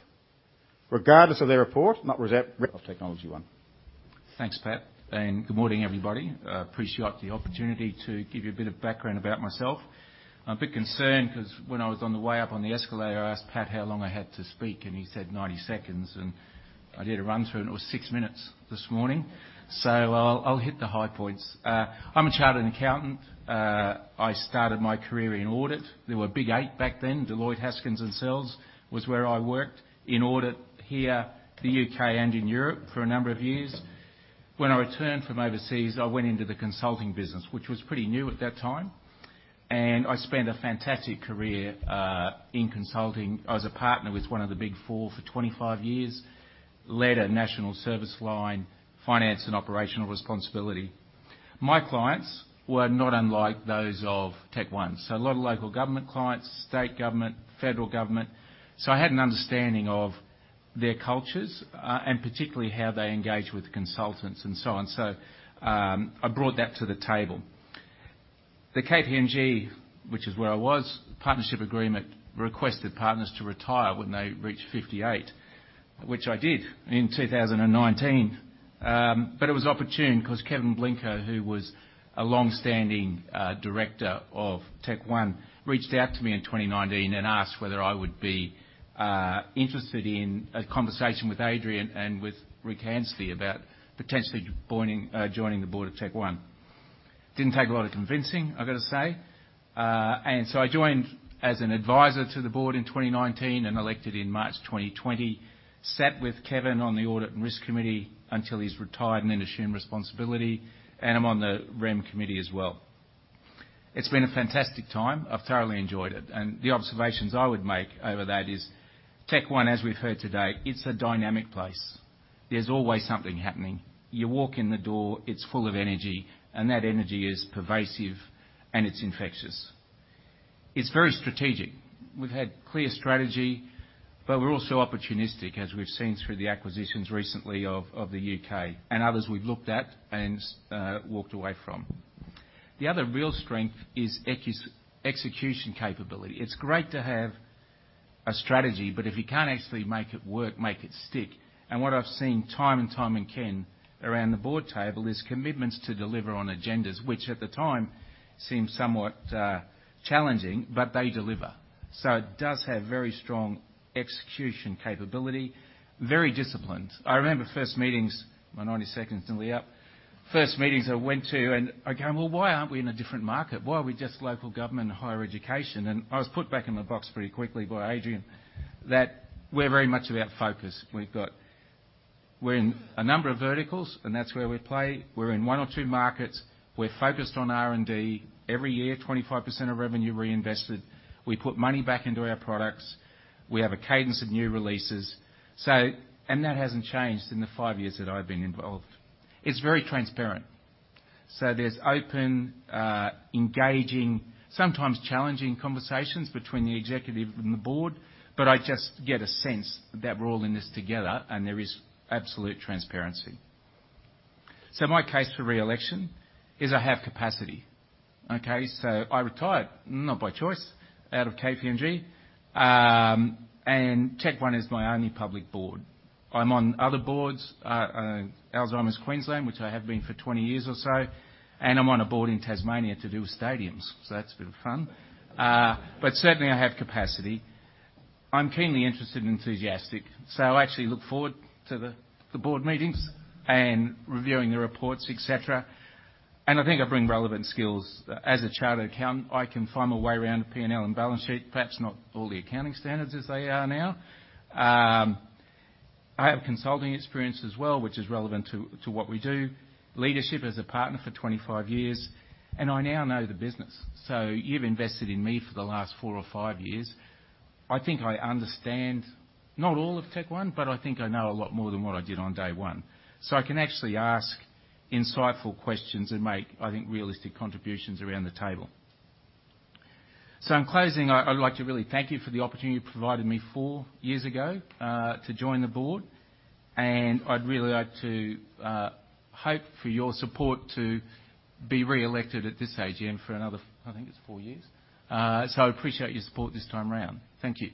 Regardless of their report, not of TechnologyOne. Thanks, Pat. Good morning, everybody. Appreciate the opportunity to give you a bit of background about myself. I'm a bit concerned because when I was on the way up on the escalator, I asked Pat how long I had to speak. He said 90 seconds. I did a run-through. It was six minutes this morning. I'll hit the high points. I'm a chartered accountant. I started my career in audit. There were a Big Eight back then. Deloitte Haskins & Sells was where I worked in audit here, the U.K., and in Europe for a number of years. When I returned from overseas, I went into the consulting business, which was pretty new at that time. I spent a fantastic career in consulting. I was a partner with one of the Big Four for 25 years, led a national service line, finance and operational responsibility. My clients were not unlike those of TechOne. So a lot of local government clients, state government, federal government. So I had an understanding of their cultures and particularly how they engage with consultants and so on. So I brought that to the table. The KPMG, which is where I was, partnership agreement requested partners to retire when they reached 58, which I did in 2019. But it was opportune because Kevin Blinco, who was a longstanding director of TechOne, reached out to me in 2019 and asked whether I would be interested in a conversation with Adrian and with Rick Anstey about potentially joining the board of TechOne. Didn't take a lot of convincing, I got to say. And so I joined as an adviser to the board in 2019 and elected in March 2020. Sat with Kevin on the audit and risk committee until he's retired and then assumed responsibility. And I'm on the REM committee as well. It's been a fantastic time. I've thoroughly enjoyed it. And the observations I would make over that is, TechOne, as we've heard today, it's a dynamic place. There's always something happening. You walk in the door. It's full of energy. And that energy is pervasive. And it's infectious. It's very strategic. We've had clear strategy. But we're also opportunistic, as we've seen through the acquisitions recently of the U.K. and others we've looked at and walked away from. The other real strength is execution capability. It's great to have a strategy. But if you can't actually make it work, make it stick. What I've seen time and time again around the board table is commitments to deliver on agendas, which at the time seemed somewhat challenging. But they deliver. So it does have very strong execution capability, very disciplined. I remember first meetings my 90 seconds are nearly up. First meetings I went to. And I go, "Well, why aren't we in a different market? Why are we just local government and higher education?" And I was put back in the box pretty quickly by Adrian that we're very much about focus. We're in a number of verticals. And that's where we play. We're in one or two markets. We're focused on R&D. Every year, 25% of revenue reinvested. We put money back into our products. We have a cadence of new releases. And that hasn't changed in the five years that I've been involved. It's very transparent. So there's open, engaging, sometimes challenging conversations between the executive and the board. But I just get a sense that we're all in this together. And there is absolute transparency. So my case for re-election is I have capacity, okay? So I retired, not by choice, out of KPMG. And TechOne is my only public board. I'm on other boards, Alzheimer's Queensland, which I have been for 20 years or so. And I'm on a board in Tasmania to do with stadiums. So that's a bit of fun. But certainly, I have capacity. I'm keenly interested and enthusiastic. So I actually look forward to the board meetings and reviewing the reports, etc. And I think I bring relevant skills. As a chartered accountant, I can find my way around a P&L and balance sheet, perhaps not all the accounting standards as they are now. I have consulting experience as well, which is relevant to what we do, leadership as a partner for 25 years. I now know the business. So you've invested in me for the last four or five years. I think I understand not all of TechOne. But I think I know a lot more than what I did on day one. So I can actually ask insightful questions and make, I think, realistic contributions around the table. So in closing, I'd like to really thank you for the opportunity you provided me four years ago to join the board. And I'd really like to hope for your support to be re-elected at this AGM, again, for another I think it's four years. So I appreciate your support this time around. Thank you.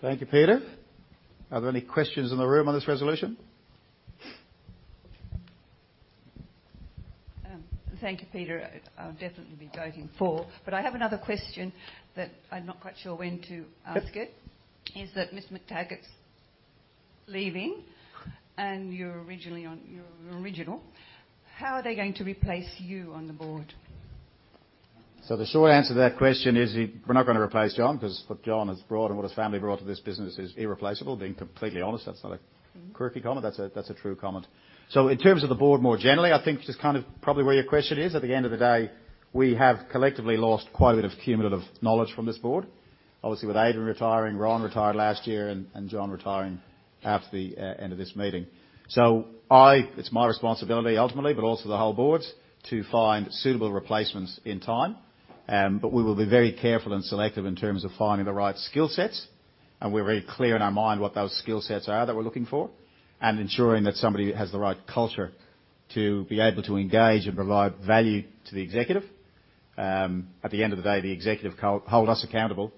Thank you, Peter. Are there any questions in the room on this resolution? Thank you, Peter. I'll definitely be voting for. But I have another question that I'm not quite sure when to ask. It's good. Is that Mr. Mactaggart's leaving? And you're originally one you're original. How are they going to replace you on the board? So the short answer to that question is we're not going to replace John because what John has brought and what his family brought to this business is irreplaceable. Being completely honest, that's not a quirky comment. That's a true comment. So in terms of the board more generally, I think just kind of probably where your question is, at the end of the day, we have collectively lost quite a bit of cumulative knowledge from this board, obviously with Adrian retiring, Ron retired last year, and John retiring after the end of this meeting. So it's my responsibility, ultimately, but also the whole board's, to find suitable replacements in time. But we will be very careful and selective in terms of finding the right skill sets. We're very clear in our mind what those skill sets are that we're looking for and ensuring that somebody has the right culture to be able to engage and provide value to the executive. At the end of the day, the executive hold us accountable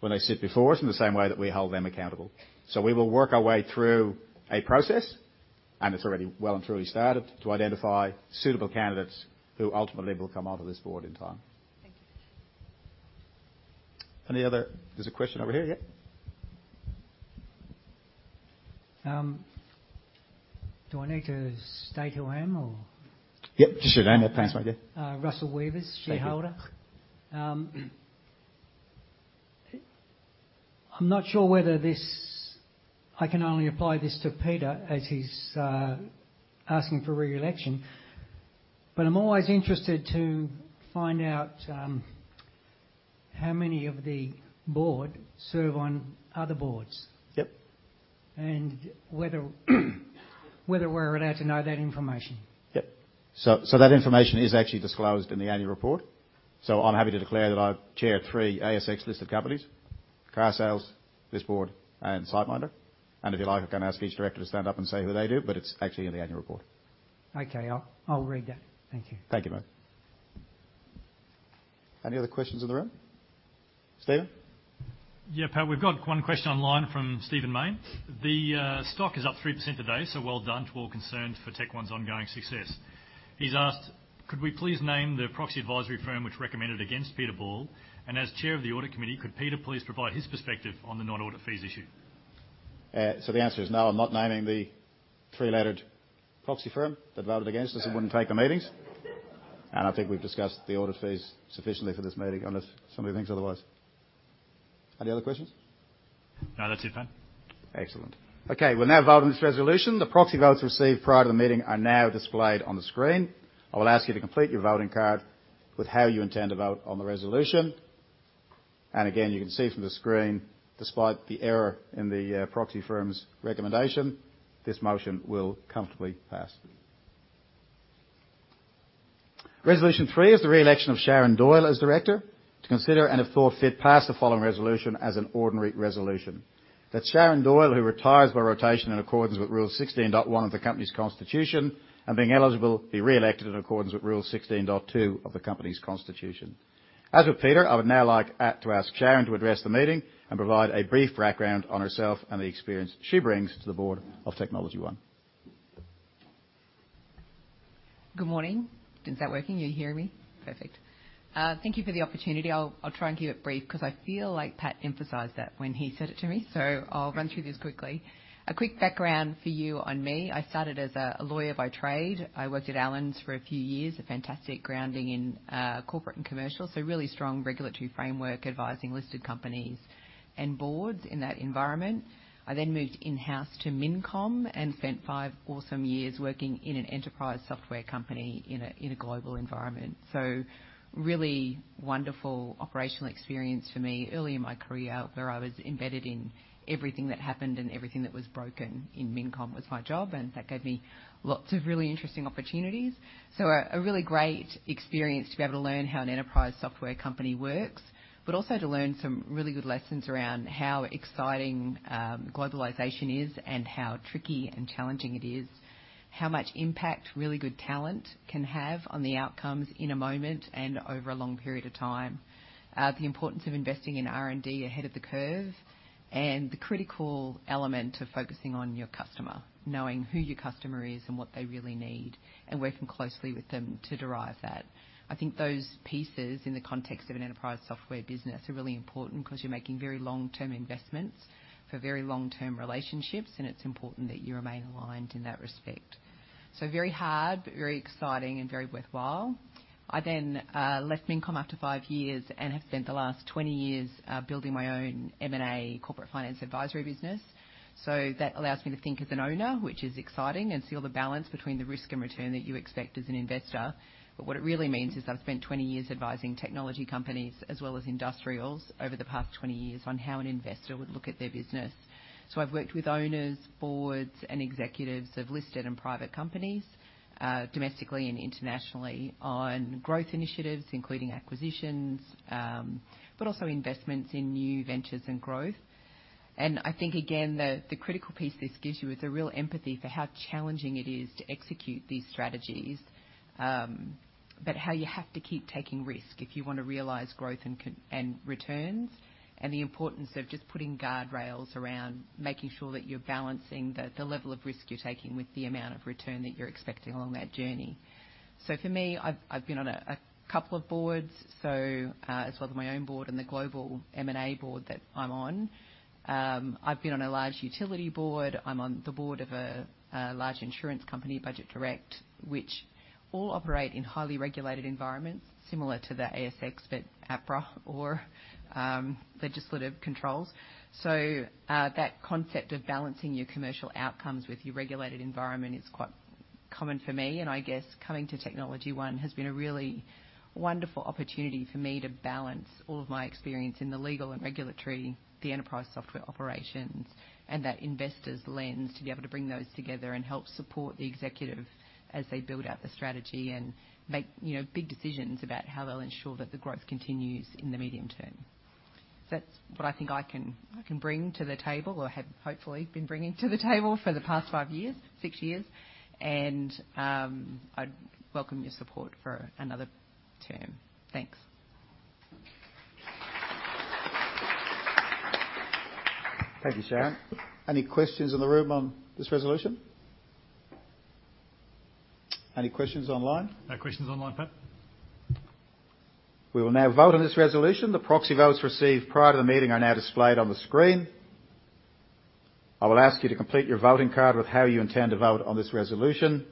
when they sit before us in the same way that we hold them accountable. We will work our way through a process - and it's already well and truly started - to identify suitable candidates who ultimately will come onto this board in time. Thank you. Any other? There's a question over here, yeah? Do I need to state who I am, or? Yep, just your name. That paints my dear. Russell Weavers, shareholder. I'm not sure whether this, I can only apply this to Peter as he's asking for re-election. But I'm always interested to find out how many of the board serve on other boards and whether we're allowed to know that information. Yep. So that information is actually disclosed in the annual report. So I'm happy to declare that I chair three ASX-listed companies, Carsales, this board, and SiteMinder. And if you like, I can ask each director to stand up and say who they do. But it's actually in the annual report. Okay. I'll read that. Thank you. Thank you, mate. Any other questions in the room? Stephen? Yeah, Pat. We've got one question online from Stephen Mayne. "The stock is up 3% today. So well done. We're all concerned for TechOne's ongoing success." He's asked, "Could we please name the proxy advisory firm which recommended against Peter Ball? And as chair of the audit committee, could Peter please provide his perspective on the non-audit fees issue? The answer is no. I'm not naming the three-lettered proxy firm that voted against us. It wouldn't take the meetings. And I think we've discussed the audit fees sufficiently for this meeting unless somebody thinks otherwise. Any other questions? No, that's it, Pat. Excellent. Okay. We'll now vote on this resolution. The proxy votes received prior to the meeting are now displayed on the screen. I will ask you to complete your voting card with how you intend to vote on the resolution. Again, you can see from the screen, despite the error in the proxy firm's recommendation, this motion will comfortably pass. Resolution three is the re-election of Sharon Doyle as director to consider and, if thought fit, pass the following resolution as an ordinary resolution: that Sharon Doyle, who retires by rotation in accordance with rule 16.1 of the company's constitution and being eligible, be re-elected in accordance with rule 16.2 of the company's constitution. As with Peter, I would now like to ask Sharon to address the meeting and provide a brief background on herself and the experience she brings to the board of TechnologyOne. Good morning. Is that working? Are you hearing me? Perfect. Thank you for the opportunity. I'll try and keep it brief because I feel like Pat emphasized that when he said it to me. So I'll run through this quickly. A quick background for you on me. I started as a lawyer by trade. I worked at Allens for a few years, a fantastic grounding in corporate and commercial, so really strong regulatory framework advising listed companies and boards in that environment. I then moved in-house to Mincom and spent five awesome years working in an enterprise software company in a global environment. So really wonderful operational experience for me. Early in my career, where I was embedded in everything that happened and everything that was broken in Mincom was my job. And that gave me lots of really interesting opportunities. A really great experience to be able to learn how an enterprise software company works, but also to learn some really good lessons around how exciting globalization is and how tricky and challenging it is, how much impact really good talent can have on the outcomes in a moment and over a long period of time, the importance of investing in R&D ahead of the curve, and the critical element of focusing on your customer, knowing who your customer is and what they really need, and working closely with them to derive that. I think those pieces, in the context of an enterprise software business, are really important because you're making very long-term investments for very long-term relationships. It's important that you remain aligned in that respect. Very hard, but very exciting and very worthwhile. I then left Mincom after 5 years and have spent the last 20 years building my own M&A, corporate finance advisory business. So that allows me to think as an owner, which is exciting, and see all the balance between the risk and return that you expect as an investor. But what it really means is I've spent 20 years advising technology companies as well as industrials over the past 20 years on how an investor would look at their business. So I've worked with owners, boards, and executives of listed and private companies, domestically and internationally, on growth initiatives, including acquisitions, but also investments in new ventures and growth. I think, again, the critical piece this gives you is a real empathy for how challenging it is to execute these strategies, but how you have to keep taking risk if you want to realize growth and returns and the importance of just putting guardrails around making sure that you're balancing the level of risk you're taking with the amount of return that you're expecting along that journey. For me, I've been on a couple of boards, as well as my own board and the global M&A board that I'm on. I've been on a large utility board. I'm on the board of a large insurance company, Budget Direct, which all operate in highly regulated environments, similar to the ASX, but APRA or legislative controls. That concept of balancing your commercial outcomes with your regulated environment is quite common for me. I guess coming to TechnologyOne has been a really wonderful opportunity for me to balance all of my experience in the legal and regulatory, the enterprise software operations, and that investor's lens to be able to bring those together and help support the executive as they build out the strategy and make big decisions about how they'll ensure that the growth continues in the medium term. So that's what I think I can bring to the table or have, hopefully, been bringing to the table for the past five years, six years. I'd welcome your support for another term. Thanks. Thank you, Sharon. Any questions in the room on this resolution? Any questions online? No questions online, Pat. We will now vote on this resolution. The proxy votes received prior to the meeting are now displayed on the screen. I will ask you to complete your voting card with how you intend to vote on this resolution.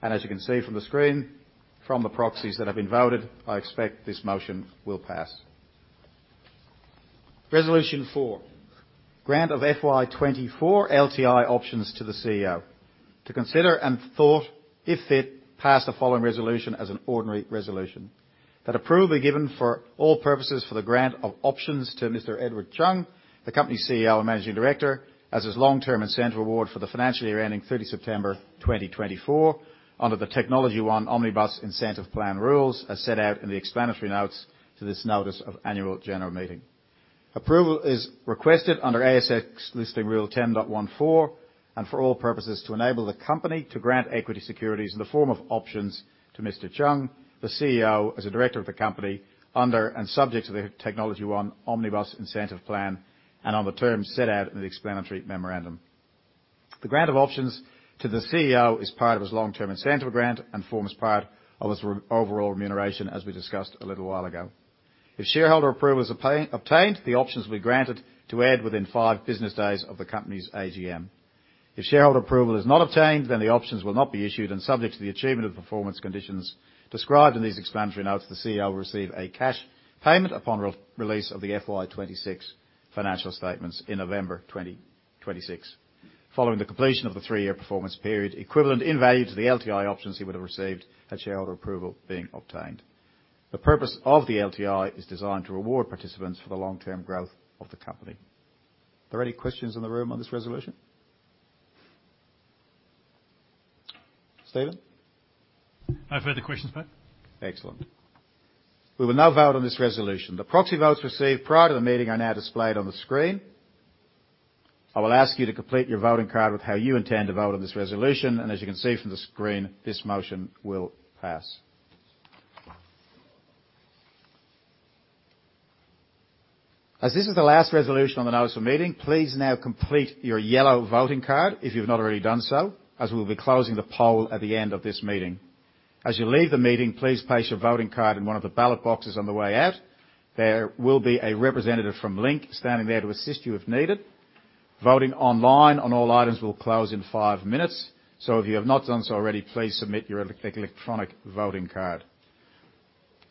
As you can see from the screen, from the proxies that have been voted, I expect this motion will pass. Resolution four, grant of FY 2024 LTI options to the CEO to consider and thought, if fit, pass the following resolution as an ordinary resolution: that approval be given for all purposes for the grant of options to Mr. Edward Chung, the company's CEO and managing director, as his long-term incentive award for the financial year ending 30 September 2024 under the TechnologyOne Omnibus Incentive Plan rules as set out in the explanatory notes to this notice of Annual General Meeting. Approval is requested under ASX Listing Rule 10.14 and for all purposes to enable the company to grant equity securities in the form of options to Mr. Chung, the CEO, as a director of the company, under and subject to the TechnologyOne Omnibus Incentive Plan and on the terms set out in the explanatory memorandum. The grant of options to the CEO is part of his long-term incentive grant and forms part of his overall remuneration, as we discussed a little while ago. If shareholder approval is obtained, the options will be granted to Ed within five business days of the company's AGM. If shareholder approval is not obtained, then the options will not be issued and subject to the achievement of the performance conditions described in these explanatory notes, the CEO will receive a cash payment upon release of the FY 2026 financial statements in November 2026 following the completion of the three-year performance period equivalent in value to the LTI options he would have received had shareholder approval being obtained. The purpose of the LTI is designed to reward participants for the long-term growth of the company. Are there any questions in the room on this resolution? Stephen? No further questions, Pat. Excellent. We will now vote on this resolution. The proxy votes received prior to the meeting are now displayed on the screen. I will ask you to complete your voting card with how you intend to vote on this resolution. As you can see from the screen, this motion will pass. As this is the last resolution on the notice of meeting, please now complete your yellow voting card if you've not already done so, as we will be closing the poll at the end of this meeting. As you leave the meeting, please place your voting card in one of the ballot boxes on the way out. There will be a representative from Link standing there to assist you if needed. Voting online on all items will close in five minutes. If you have not done so already, please submit your electronic voting card.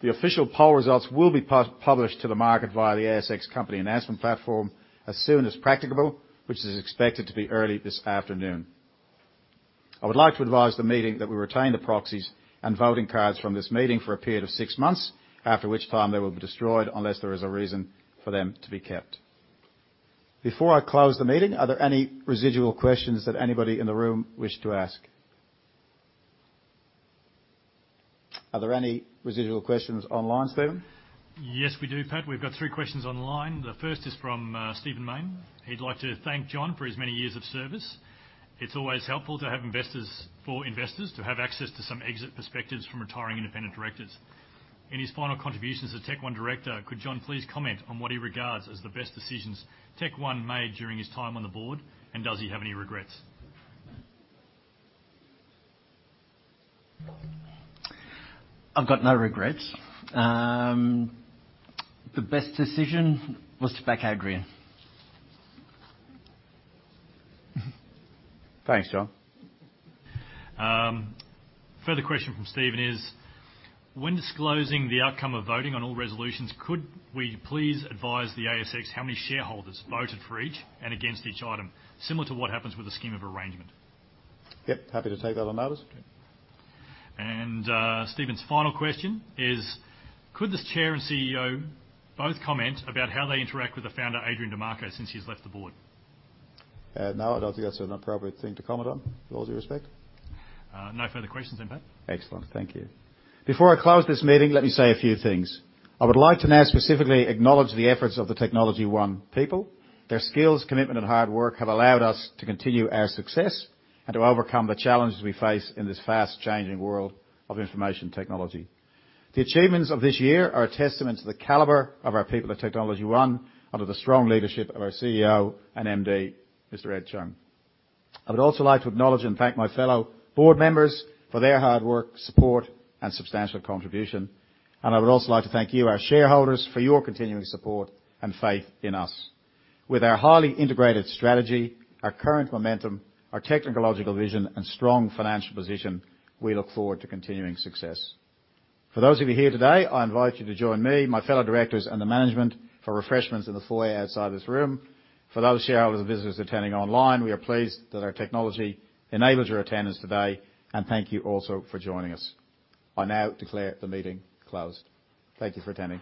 The official poll results will be published to the market via the ASX company announcement platform as soon as practicable, which is expected to be early this afternoon. I would like to advise the meeting that we retain the proxies and voting cards from this meeting for a period of six months, after which time they will be destroyed unless there is a reason for them to be kept. Before I close the meeting, are there any residual questions that anybody in the room wish to ask? Are there any residual questions online, Stephen? Yes, we do, Pat. We've got three questions online. The first is from Stephen Mayne. He'd like to thank John for his many years of service. It's always helpful to have investors for investors to have access to some exit perspectives from retiring independent directors. In his final contributions as TechOne director, could John please comment on what he regards as the best decisions TechOne made during his time on the board? And does he have any regrets? I've got no regrets. The best decision was to back Adrian. Thanks, John. Further question from Stephen is, "When disclosing the outcome of voting on all resolutions, could we please advise the ASX how many shareholders voted for each and against each item, similar to what happens with a scheme of arrangement? Yep. Happy to take that on notice. Stephen's final question is, "Could the Chair and CEO both comment about how they interact with the founder, Adrian Di Marco, since he's left the board? No, I don't think that's a proper thing to comment on, with all due respect. No further questions then, Pat. Excellent. Thank you. Before I close this meeting, let me say a few things. I would like to now specifically acknowledge the efforts of the TechnologyOne people. Their skills, commitment, and hard work have allowed us to continue our success and to overcome the challenges we face in this fast-changing world of information technology. The achievements of this year are a testament to the caliber of our people at TechnologyOne under the strong leadership of our CEO and MD, Mr. Ed Chung. I would also like to acknowledge and thank my fellow board members for their hard work, support, and substantial contribution. I would also like to thank you, our shareholders, for your continuing support and faith in us. With our highly integrated strategy, our current momentum, our technological vision, and strong financial position, we look forward to continuing success. For those of you here today, I invite you to join me, my fellow directors, and the management for refreshments in the foyer outside this room. For those shareholders and visitors attending online, we are pleased that our technology enabled your attendance today. Thank you also for joining us. I now declare the meeting closed. Thank you for attending.